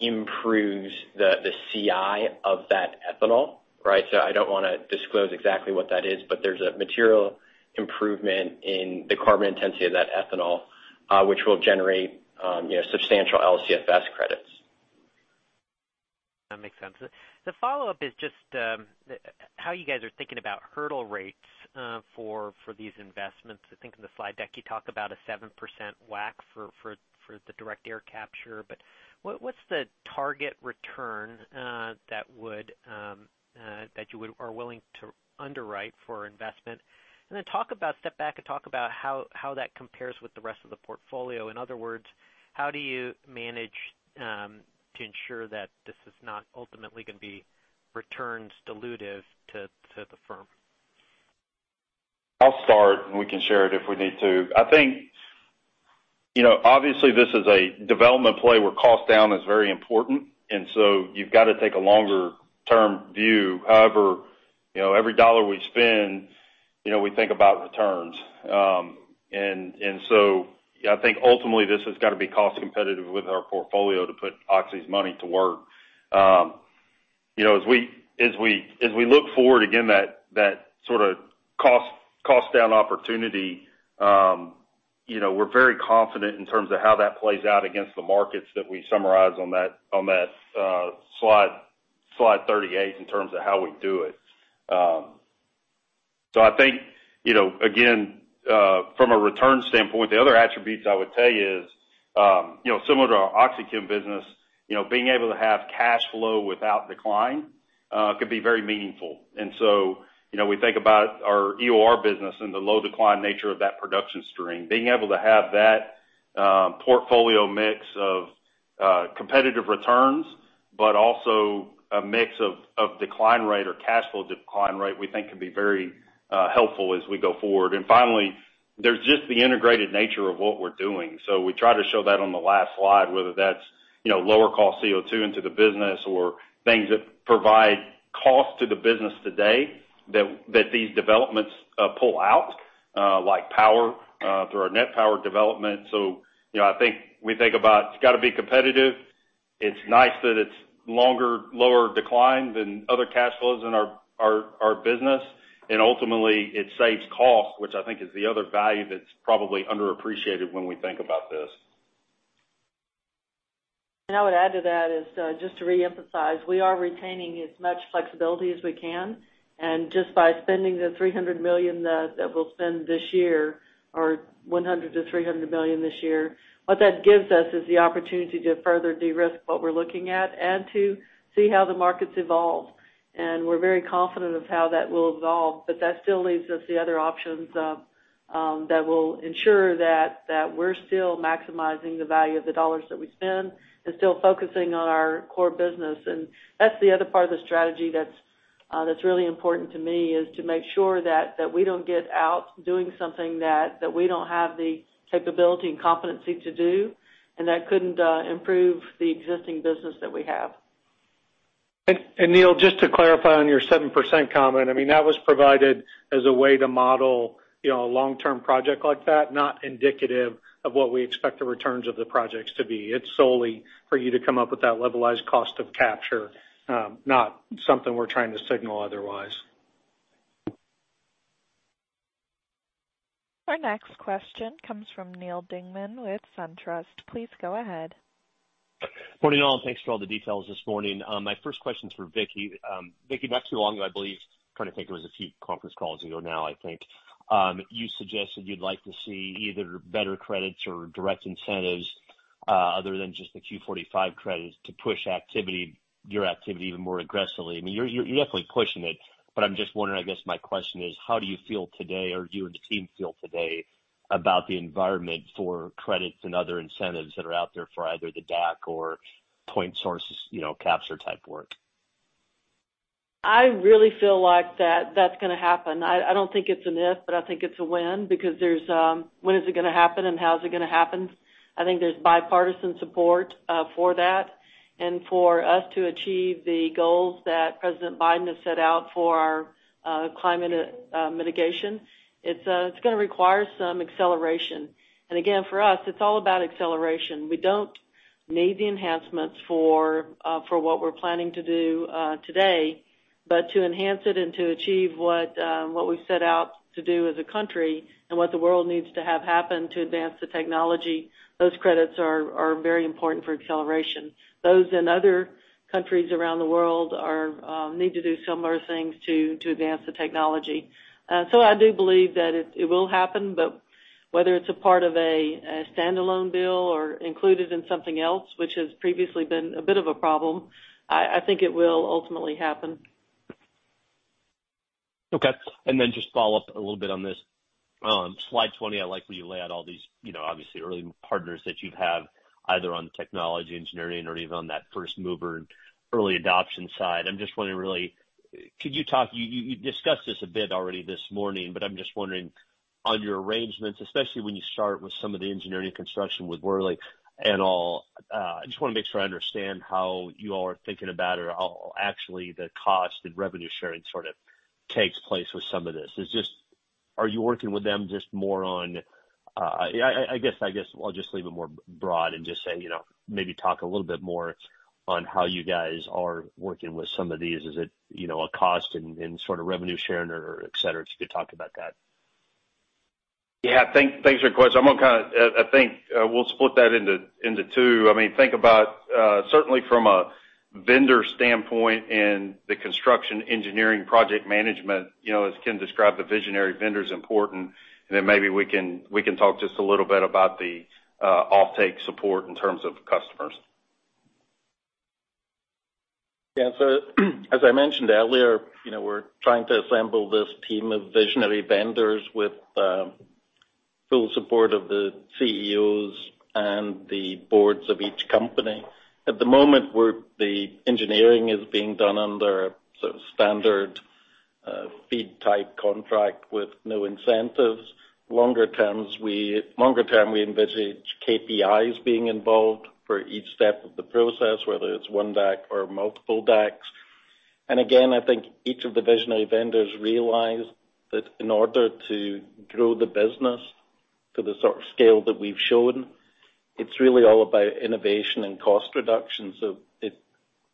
improves the CI of that ethanol, right? I don't wanna disclose exactly what that is, but there's a material improvement in the carbon intensity of that ethanol, which will generate, you know, substantial LCFS credits. That makes sense. The follow-up is just how you guys are thinking about hurdle rates for these investments. I think in the slide deck, you talk about a 7% WACC for the direct air capture. But what's the target return that you are willing to underwrite for investment? Step back and talk about how that compares with the rest of the portfolio. In other words, how do you manage to ensure that this is not ultimately gonna be returns dilutive to the firm? I'll start, and we can share it if we need to. I think, you know, obviously, this is a development play where cost down is very important, and so you've got to take a longer-term view. However, you know, every dollar we spend, you know, we think about returns. I think ultimately, this has got to be cost competitive with our portfolio to put Oxy's money to work. You know, as we look forward, again, that sorta cost down opportunity, you know, we're very confident in terms of how that plays out against the markets that we summarize on that slide 38 in terms of how we do it. I think, you know, again, from a return standpoint, the other attributes I would tell you is, you know, similar to our OxyChem business, you know, being able to have cash flow without decline, could be very meaningful. You know, we think about our EOR business and the low decline nature of that production stream. Being able to have that, portfolio mix of, competitive returns, but also a mix of decline rate or cash flow decline rate, we think could be very, helpful as we go forward. Finally, there's just the integrated nature of what we're doing. We try to show that on the last slide, whether that's, you know, lower cost CO2 into the business or things that provide cost to the business today that these developments pull out like power through our NET Power development. You know, I think we think about it's gotta be competitive. It's nice that it's longer, lower decline than other cash flows in our business. Ultimately, it saves costs, which I think is the other value that's probably underappreciated when we think about this. I would add to that is, just to reemphasize, we are retaining as much flexibility as we can. Just by spending the $300 million that we'll spend this year or $100 million-$300 million this year, what that gives us is the opportunity to further de-risk what we're looking at and to see how the markets evolve. We're very confident of how that will evolve, but that still leaves us the other options that will ensure that we're still maximizing the value of the dollars that we spend and still focusing on our core business. That's the other part of the strategy that's really important to me is to make sure that we don't get out doing something that we don't have the capability and competency to do, and that couldn't improve the existing business that we have. Neil, just to clarify on your 7% comment, I mean, that was provided as a way to model, you know, a long-term project like that, not indicative of what we expect the returns of the projects to be. It's solely for you to come up with that levelized cost of capture, not something we're trying to signal otherwise. Our next question comes from Neal Dingmann with SunTrust. Please go ahead. Morning, all, and thanks for all the details this morning. My first question is for Vicki. Vicki, not too long ago, I believe, trying to think it was a few conference calls ago now, I think, you suggested you'd like to see either better credits or direct incentives, other than just the 45Q credits to push activity, your activity even more aggressively. I mean, you're definitely pushing it, but I'm just wondering, I guess my question is, how do you feel today or do you and the team feel today about the environment for credits and other incentives that are out there for either the DAC or point sources, you know, capture type work? I really feel like that's gonna happen. I don't think it's an if, but I think it's a when because there's when is it gonna happen and how is it gonna happen? I think there's bipartisan support for that and for us to achieve the goals that President Biden has set out for climate mitigation. It's gonna require some acceleration. Again, for us, it's all about acceleration. We don't need the enhancements for what we're planning to do today, but to enhance it and to achieve what we've set out to do as a country and what the world needs to have happen to advance the technology, those credits are very important for acceleration. Those and other countries around the world are need to do similar things to advance the technology. I do believe that it will happen, but whether it's a part of a standalone bill or included in something else, which has previously been a bit of a problem, I think it will ultimately happen. Okay. Just follow up a little bit on this. Slide 20, I like where you lay out all these, you know, obviously early partners that you have either on technology, engineering, or even on that first mover and early adoption side. I'm just wondering, really, could you talk. You discussed this a bit already this morning, but I'm just wondering on your arrangements, especially when you start with some of the engineering construction with Worley and all. I just wanna make sure I understand how you all are thinking about it or how actually the cost and revenue sharing sort of takes place with some of this. It's just, are you working with them just more on. I guess I'll just leave it more broad and just say, you know, maybe talk a little bit more on how you guys are working with some of these. Is it, you know, a cost and sort of revenue sharing or et cetera, if you could talk about that. Thanks for your question. I think we'll split that into two. I mean, think about certainly from a vendor standpoint and the construction engineering project management, you know, as Ken described, the visionary vendor is important. Maybe we can talk just a little bit about the offtake support in terms of customers. As I mentioned earlier, you know, we're trying to assemble this team of visionary vendors with full support of the CEOs and the boards of each company. At the moment, the engineering is being done under sort of standard FEED-type contract with no incentives. Longer term, we envisage KPIs being involved for each step of the process, whether it's one DAC or multiple DACs. Again, I think each of the visionary vendors realize that in order to grow the business to the sort of scale that we've shown, it's really all about innovation and cost reduction.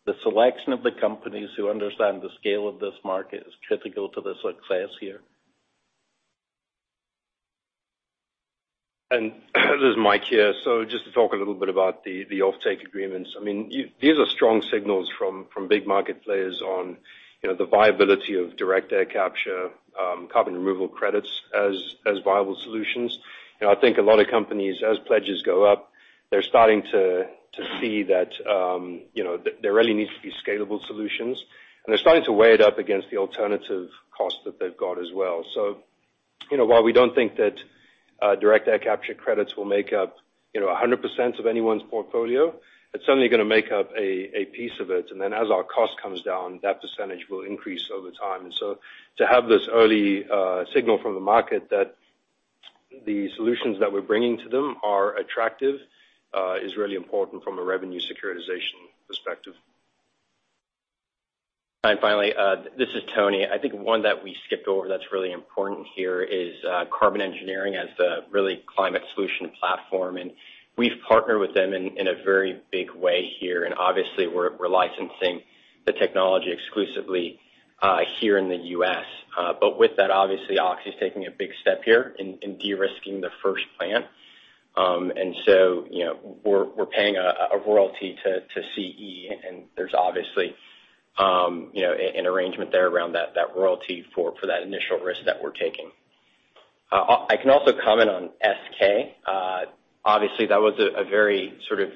The selection of the companies who understand the scale of this market is critical to the success here. This is Mike here. So just to talk a little bit about the offtake agreements. I mean, these are strong signals from big market players on, you know, the viability of direct air capture, carbon removal credits as viable solutions. You know, I think a lot of companies, as pledges go up, they're starting to see that, you know, there really needs to be scalable solutions. They're starting to weigh it up against the alternative costs that they've got as well. So, you know, while we don't think that direct air capture credits will make up, you know, 100% of anyone's portfolio, it's certainly gonna make up a piece of it. Then as our cost comes down, that percentage will increase over time. To have this early signal from the market that the solutions that we're bringing to them are attractive is really important from a revenue securitization perspective. Finally, this is Tony. I think one that we skipped over that's really important here is Carbon Engineering as the real climate solution platform. We've partnered with them in a very big way here. Obviously, we're licensing the technology exclusively here in the U.S. But with that, obviously, Oxy's taking a big step here in de-risking the first plant. You know, we're paying a royalty to CE, and there's obviously you know, an arrangement there around that royalty for that initial risk that we're taking. I can also comment on SK. Obviously, that was a very sort of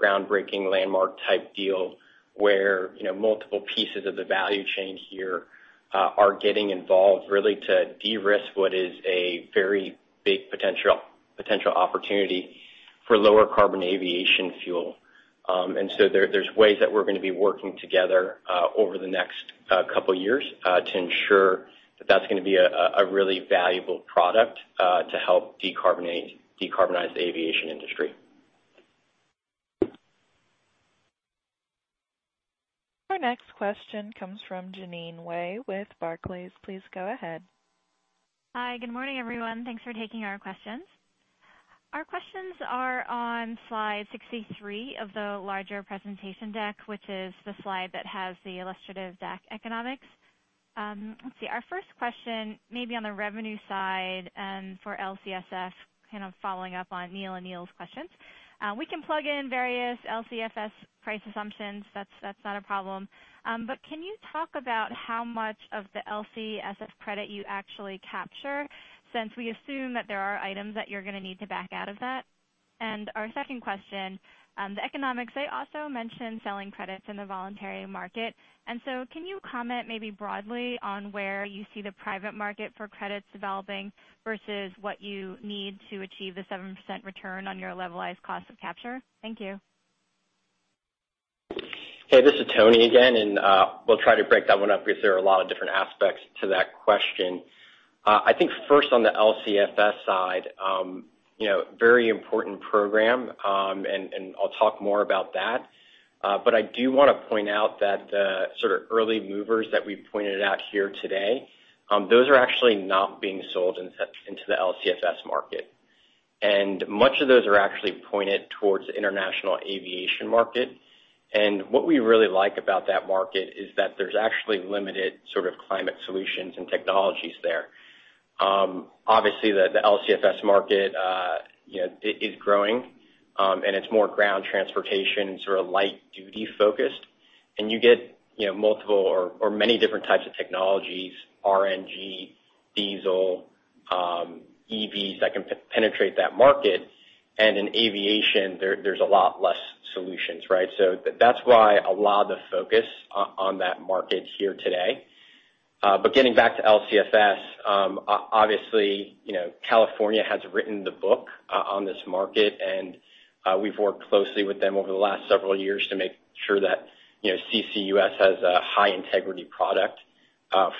groundbreaking landmark type deal where, you know, multiple pieces of the value chain here are getting involved really to de-risk what is a very big potential opportunity for lower carbon aviation fuel. There, there's ways that we're gonna be working together over the next couple years to ensure that that's gonna be a really valuable product to help decarbonize the aviation industry. Our next question comes from Jeanine Wai with Barclays. Please go ahead. Hi. Good morning, everyone. Thanks for taking our questions. Our questions are on slide 63 of the larger presentation deck, which is the slide that has the illustrative DAC economics. Our first question may be on the revenue side, for LCFS, kind of following up on Neil and Neil's questions. We can plug in various LCFS price assumptions, that's not a problem. But can you talk about how much of the LCFS credit you actually capture since we assume that there are items that you're gonna need to back out of that? Our second question, the economics, they also mention selling credits in the voluntary market. Can you comment maybe broadly on where you see the private market for credits developing versus what you need to achieve the 7% return on your levelized cost of capture? Thank you. Hey, this is Tony again, and we'll try to break that one up because there are a lot of different aspects to that question. I think first on the LCFS side, you know, very important program, and I'll talk more about that. But I do wanna point out that the sort of early movers that we've pointed out here today, those are actually not being sold into the LCFS market. And much of those are actually pointed towards the international aviation market. And what we really like about that market is that there's actually limited sort of climate solutions and technologies there. Obviously the LCFS market, you know, is growing, and it's more ground transportation, sort of light duty focused. You get, you know, multiple or many different types of technologies, RNG, diesel, EVs that can penetrate that market. In aviation there's a lot less solutions, right? That's why a lot of the focus on that market here today. Getting back to LCFS, obviously, you know, California has written the book on this market, and we've worked closely with them over the last several years to make sure that, you know, CCUS has a high integrity product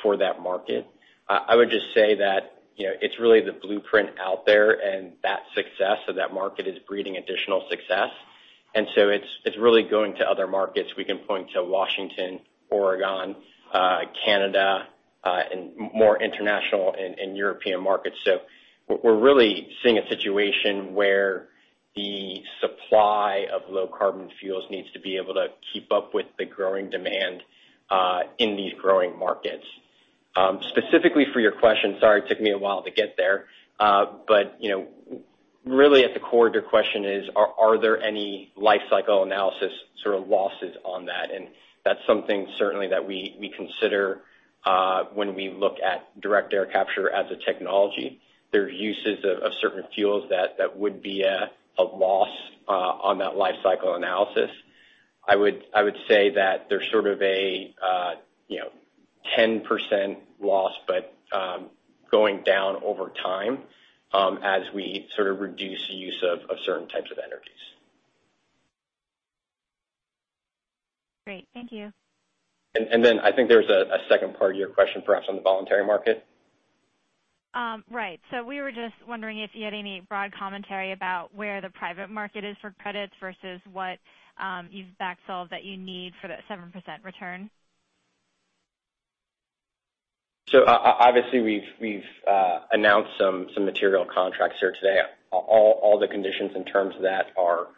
for that market. I would just say that, you know, it's really the blueprint out there, and that success of that market is breeding additional success. It's really going to other markets. We can point to Washington, Oregon, Canada, and more international and European markets. We're really seeing a situation where the supply of low carbon fuels needs to be able to keep up with the growing demand in these growing markets. Specifically for your question, sorry it took me a while to get there. You know, really at the core of your question is, are there any life cycle analysis sort of losses on that? That's something certainly that we consider when we look at direct air capture as a technology. There are uses of certain fuels that would be a loss on that life cycle analysis. I would say that there's sort of a you know, 10% loss, but going down over time, as we sort of reduce the use of certain types of energies. Great. Thank you. Then I think there's a second part of your question perhaps on the voluntary market. Right. We were just wondering if you had any broad commentary about where the private market is for credits versus what you've back solved that you need for that 7% return? Obviously, we've announced some material contracts here today. All the conditions and terms of that are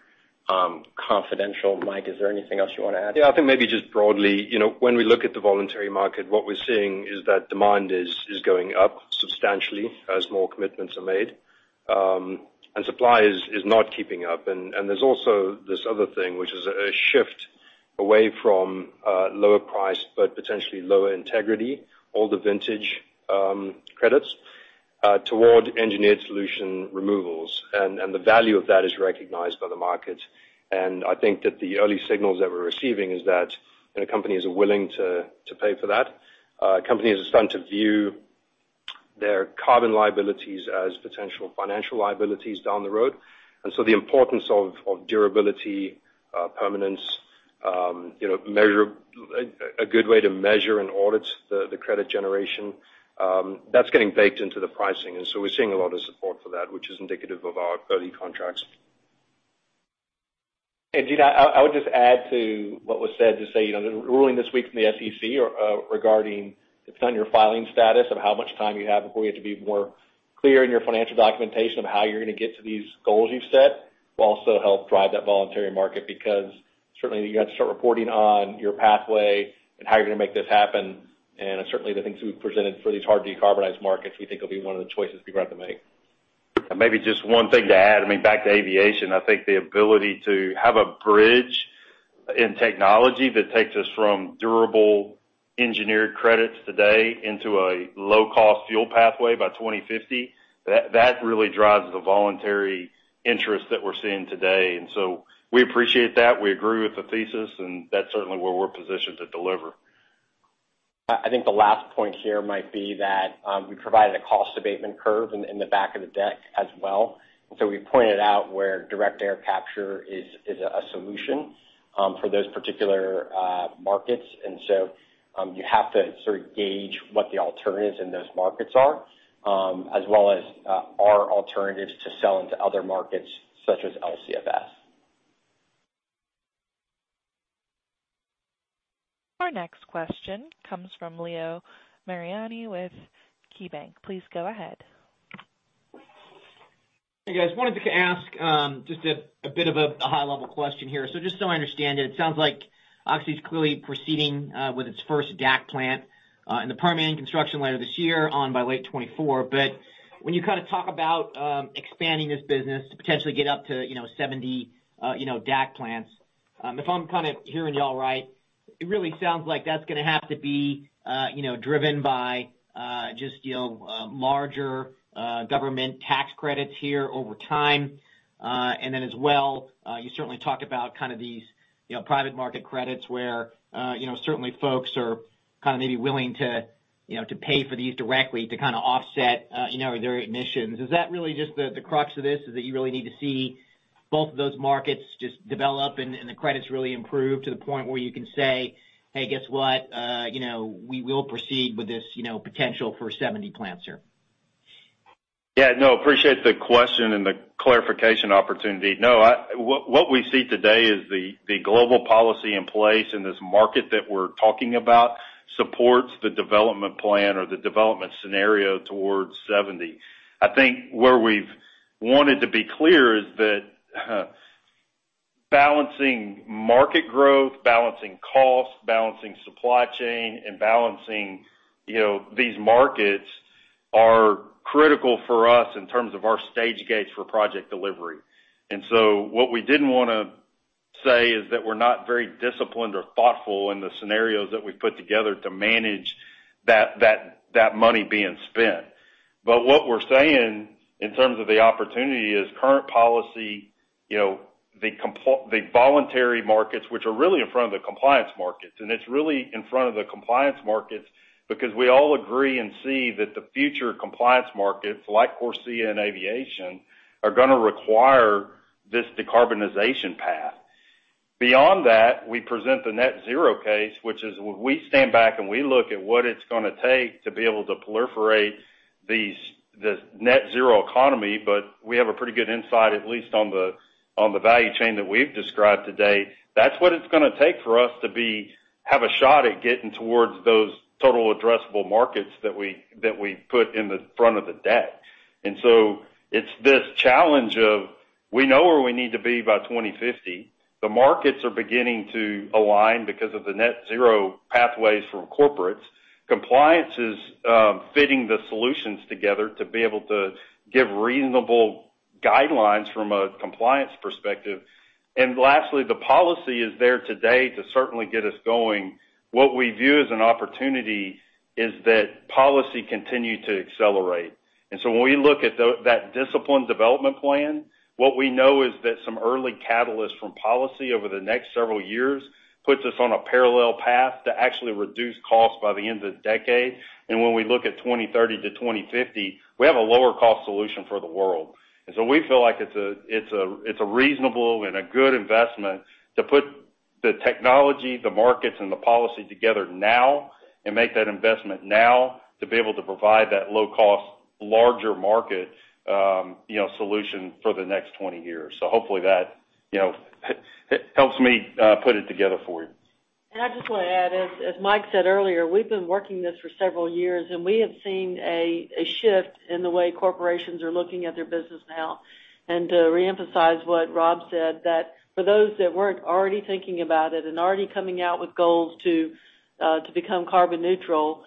confidential. Mike, is there anything else you wanna add? Yeah. I think maybe just broadly, you know, when we look at the voluntary market, what we're seeing is that demand is going up substantially as more commitments are made, and supply is not keeping up. There's also this other thing, which is a shift away from lower price, but potentially lower integrity, older vintage credits toward engineered solution removals. The value of that is recognized by the market. I think that the early signals that we're receiving is that, you know, companies are willing to pay for that. Companies are starting to view their carbon liabilities as potential financial liabilities down the road. The importance of durability, permanence, you know, a good way to measure and audit the credit generation, that's getting baked into the pricing. We're seeing a lot of support for that, which is indicative of our early contracts. Jeanine, I would just add to what was said to say, you know, the ruling this week from the SEC, regarding its own filing status of how much time you have before you have to be more clear in your financial documentation of how you're gonna get to these goals you've set, will also help drive that voluntary market. Because certainly you have to start reporting on your pathway and how you're gonna make this happen. Certainly the things we've presented for these hard decarbonized markets, we think will be one of the choices to grab the money. Maybe just one thing to add, I mean, back to aviation, I think the ability to have a bridge in technology that takes us from durable engineered credits today into a low-cost fuel pathway by 2050, that really drives the voluntary interest that we're seeing today. We appreciate that. We agree with the thesis, and that's certainly where we're positioned to deliver. I think the last point here might be that we provided a cost abatement curve in the back of the deck as well. We pointed out where direct air capture is a solution for those particular markets. You have to sort of gauge what the alternatives in those markets are, as well as our alternatives to sell into other markets such as LCFS. Our next question comes from Leo Mariani with KeyBanc. Please go ahead. Hey, guys. I wanted to ask just a bit of a high-level question here. So just so I understand it sounds like Oxy's clearly proceeding with its first DAC plant in the Permian. Construction later this year, online by late 2024. But when you kind of talk about expanding this business to potentially get up to, you know, 70, you know, DAC plants, if I'm kind of hearing y'all right, it really sounds like that's gonna have to be, you know, driven by, you know, larger government tax credits here over time. Then as well, you certainly talked about kind of these, you know, private market credits where, you know, certainly folks are kinda maybe willing to, you know, to pay for these directly to kinda offset, you know, their emissions. Is that really just the crux of this is that you really need to see both of those markets just develop and the credits really improve to the point where you can say, "Hey, guess what? You know, we will proceed with this, you know, potential for 70 plants here"? Yeah. No, appreciate the question and the clarification opportunity. No, what we see today is the global policy in place in this market that we're talking about supports the development plan or the development scenario towards 70. I think where we've wanted to be clear is that balancing market growth, balancing cost, balancing supply chain and balancing you know these markets are critical for us in terms of our stage gates for project delivery. What we didn't wanna say is that we're not very disciplined or thoughtful in the scenarios that we've put together to manage that money being spent. What we're saying in terms of the opportunity is current policy, you know, the voluntary markets, which are really in front of the compliance markets, and it's really in front of the compliance markets because we all agree and see that the future compliance markets, like CORSIA and aviation, are gonna require this decarbonization path. Beyond that, we present the net zero case, which is when we stand back and we look at what it's gonna take to be able to proliferate this net zero economy, but we have a pretty good insight, at least on the value chain that we've described today. That's what it's gonna take for us to have a shot at getting towards those total addressable markets that we put in the front of the deck. It's this challenge of we know where we need to be by 2050. The markets are beginning to align because of the net zero pathways from corporates. Compliance is fitting the solutions together to be able to give reasonable guidelines from a compliance perspective. Lastly, the policy is there today to certainly get us going. What we view as an opportunity is that policy continue to accelerate. When we look at that disciplined development plan, what we know is that some early catalyst from policy over the next several years puts us on a parallel path to actually reduce costs by the end of the decade. When we look at 2030-2050, we have a lower cost solution for the world. We feel like it's a reasonable and a good investment to put the technology, the markets, and the policy together now and make that investment now to be able to provide that low cost, larger market, you know, solution for the next 20 years. Hopefully that, you know, helps me put it together for you. I just wanna add, as Mike said earlier, we've been working this for several years, and we have seen a shift in the way corporations are looking at their business now. To reemphasize what Rob said, that for those that weren't already thinking about it and already coming out with goals to become carbon neutral,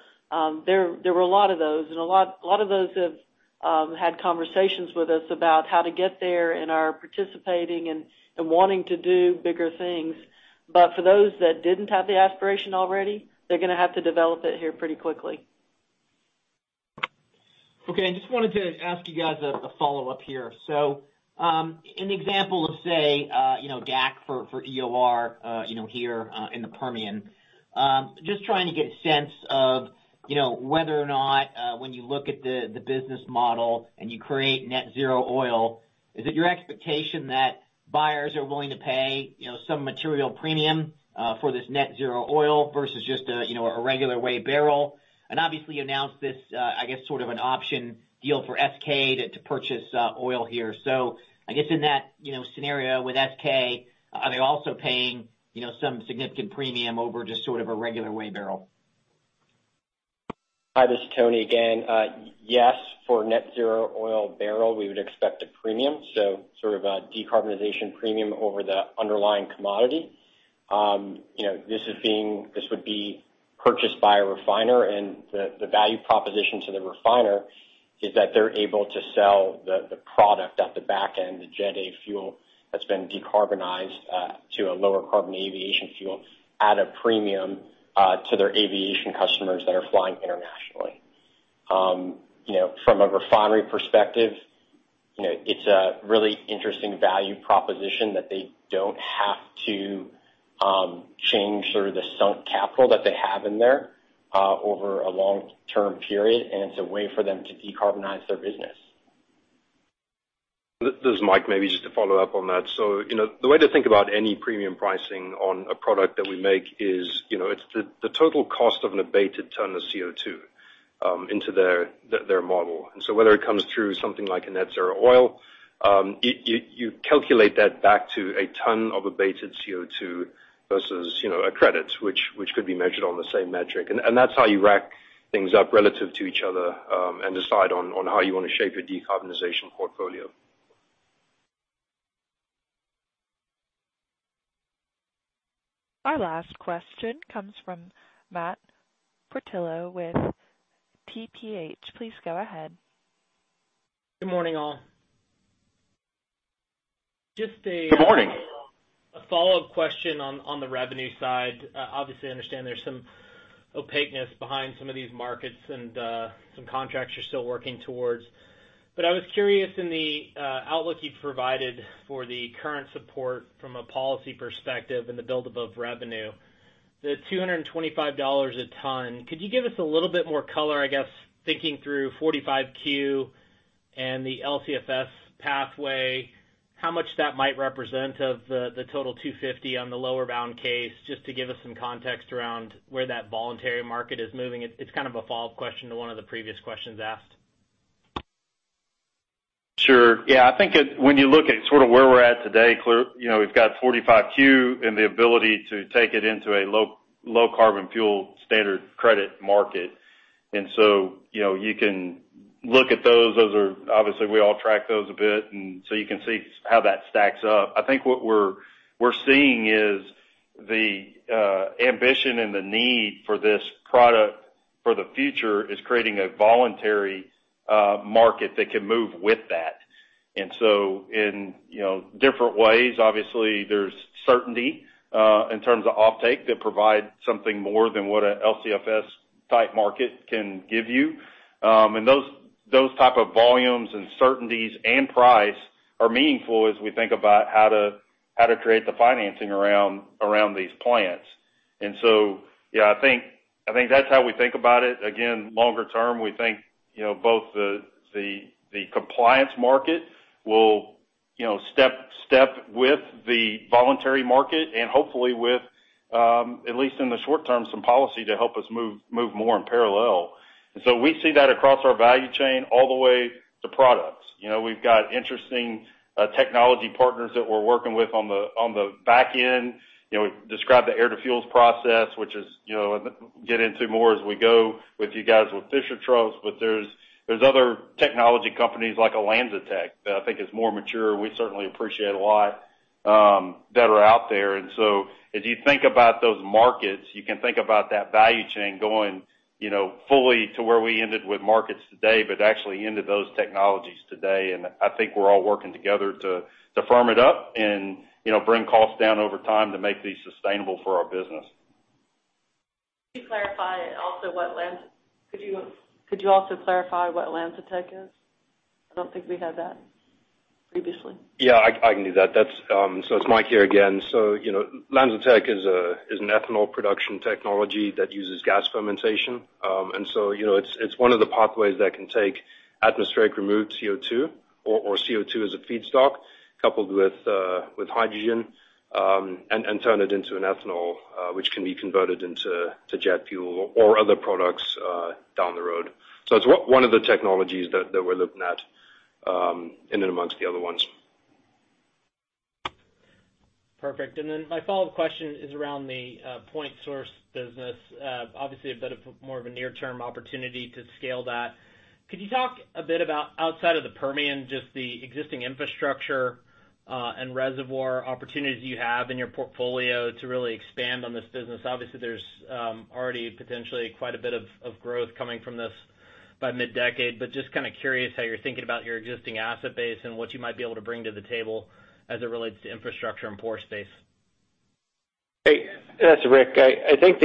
there were a lot of those. A lot of those have had conversations with us about how to get there and are participating and wanting to do bigger things. For those that didn't have the aspiration already, they're gonna have to develop it here pretty quickly. Okay. I just wanted to ask you guys a follow-up here. In the example of, say, you know, DAC for EOR, you know, here in the Permian, just trying to get a sense of, you know, whether or not, when you look at the business model and you create net zero oil, is it your expectation that buyers are willing to pay, you know, some material premium for this net zero oil versus just a, you know, a regular way barrel? Obviously, you announced this, I guess sort of an option deal for SK to purchase oil here. I guess in that, you know, scenario with SK, are they also paying, you know, some significant premium over just sort of a regular way barrel? Hi, this is Tony again. Yes, for net zero oil barrel, we would expect a premium, so sort of a decarbonization premium over the underlying commodity. You know, this would be purchased by a refiner and the value proposition to the refiner is that they're able to sell the product at the back end, the Jet A fuel that's been decarbonized to a lower carbon aviation fuel at a premium to their aviation customers that are flying internationally. You know, from a refinery perspective, you know, it's a really interesting value proposition that they don't have to change sort of the sunk capital that they have in there over a long-term period, and it's a way for them to decarbonize their business. This is Mike, maybe just to follow up on that. You know, the way to think about any premium pricing on a product that we make is, you know, it's the total cost of an abated ton of CO2 into their model. Whether it comes through something like a net zero oil, you calculate that back to a ton of abated CO2 versus, you know, a credit, which could be measured on the same metric. That's how you rack things up relative to each other and decide on how you wanna shape your decarbonization portfolio. Our last question comes from Matt Portillo with TPH. Please go ahead. Good morning, all. Good morning. A follow-up question on the revenue side. Obviously, I understand there's some opaqueness behind some of these markets and some contracts you're still working towards. I was curious in the outlook you provided for the current support from a policy perspective and the build above revenue. The $225 a ton, could you give us a little bit more color, I guess, thinking through 45Q and the LCFS pathway, how much that might represent of the total 250 on the lower bound case, just to give us some context around where that voluntary market is moving? It's kind of a follow-up question to one of the previous questions asked. Sure. Yeah. I think when you look at sort of where we're at today, you know, we've got 45Q and the ability to take it into a low carbon fuel standard credit market. You know, you can look at those. Obviously, we all track those a bit, and so you can see how that stacks up. I think what we're seeing is the ambition and the need for this product for the future is creating a voluntary market that can move with that. In, you know, different ways, obviously, there's certainty in terms of offtake that provide something more than what a LCFS type market can give you. Those type of volumes and certainties and price are meaningful as we think about how to create the financing around these plants. Yeah, I think that's how we think about it. Again, longer term, we think, you know, both the compliance market will, you know, step with the voluntary market and hopefully with, at least in the short term, some policy to help us move more in parallel. We see that across our value chain all the way to products. You know, we've got interesting technology partners that we're working with on the back end. You know, we've described the air-to-fuels process, which, you know, we'll get into more as we go with you guys with Fischer Tropsch, but there's other technology companies like LanzaTech that I think is more mature. We certainly appreciate a lot that are out there. So as you think about those markets, you can think about that value chain going, you know, fully to where we ended with markets today, but actually into those technologies today. I think we're all working together to firm it up and, you know, bring costs down over time to make these sustainable for our business. Could you also clarify what LanzaTech is? I don't think we had that previously. Yeah, I can do that. That's. It's Mike here again. You know, LanzaTech is an ethanol production technology that uses gas fermentation. You know, it's one of the pathways that can take atmospheric removed CO2 or CO2 as a feedstock coupled with hydrogen and turn it into an ethanol which can be converted into jet fuel or other products down the road. It's one of the technologies that we're looking at in and amongst the other ones. Perfect. My follow-up question is around the point source business. Obviously a bit more of a near-term opportunity to scale that. Could you talk a bit about outside of the Permian, just the existing infrastructure and reservoir opportunities you have in your portfolio to really expand on this business? Obviously, there's already potentially quite a bit of growth coming from this by mid-decade, but just kinda curious how you're thinking about your existing asset base and what you might be able to bring to the table as it relates to infrastructure and pore space. Hey, this is Rick. I think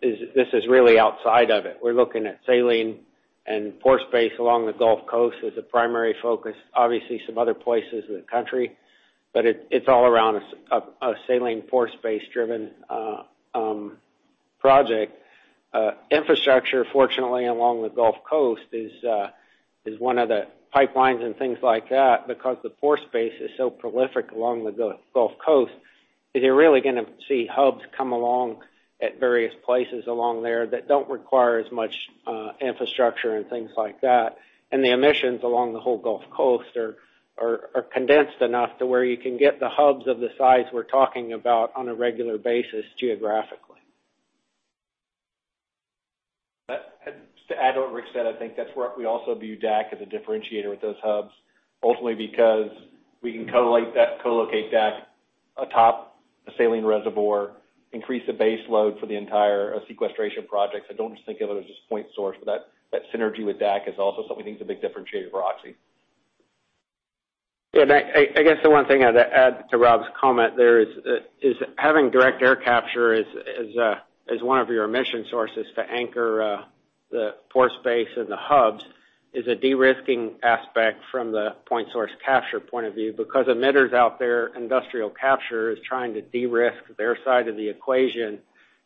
this is really outside of it. We're looking at saline and pore space along the Gulf Coast as a primary focus, obviously some other places in the country, but it's all around a saline pore space-driven project. Infrastructure, fortunately, along the Gulf Coast is one of the pipelines and things like that because the pore space is so prolific along the Gulf Coast. You're really gonna see hubs come along at various places along there that don't require as much infrastructure and things like that. The emissions along the whole Gulf Coast are condensed enough to where you can get the hubs of the size we're talking about on a regular basis geographically. Just to add what Rick said, I think that's where we also view DAC as a differentiator with those hubs, ultimately because we can co-locate DAC atop a saline reservoir, increase the base load for the entire sequestration projects. Don't just think of it as just point source, but that synergy with DAC is also something we think is a big differentiator for Oxy. Yeah. I guess the one thing I'd add to Rob's comment there is having direct air capture as one of your emission sources to anchor the pore space and the hubs is a de-risking aspect from the point source capture point of view. Because emitters out there, industrial capture is trying to de-risk their side of the equation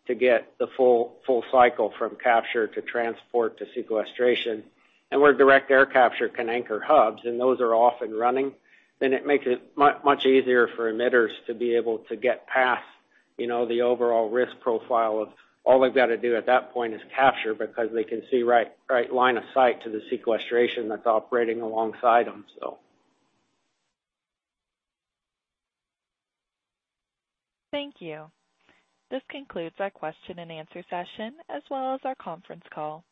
to get the full cycle from capture to transport to sequestration. Where direct air capture can anchor hubs, and those are off and running, then it makes it much easier for emitters to be able to get past, you know, the overall risk profile of all they've got to do at that point is capture because they can see right line of sight to the sequestration that's operating alongside them. Thank you. This concludes our question-and-answer session as well as our conference call.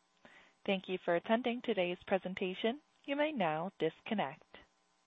Thank you for attending today's presentation. You may now disconnect.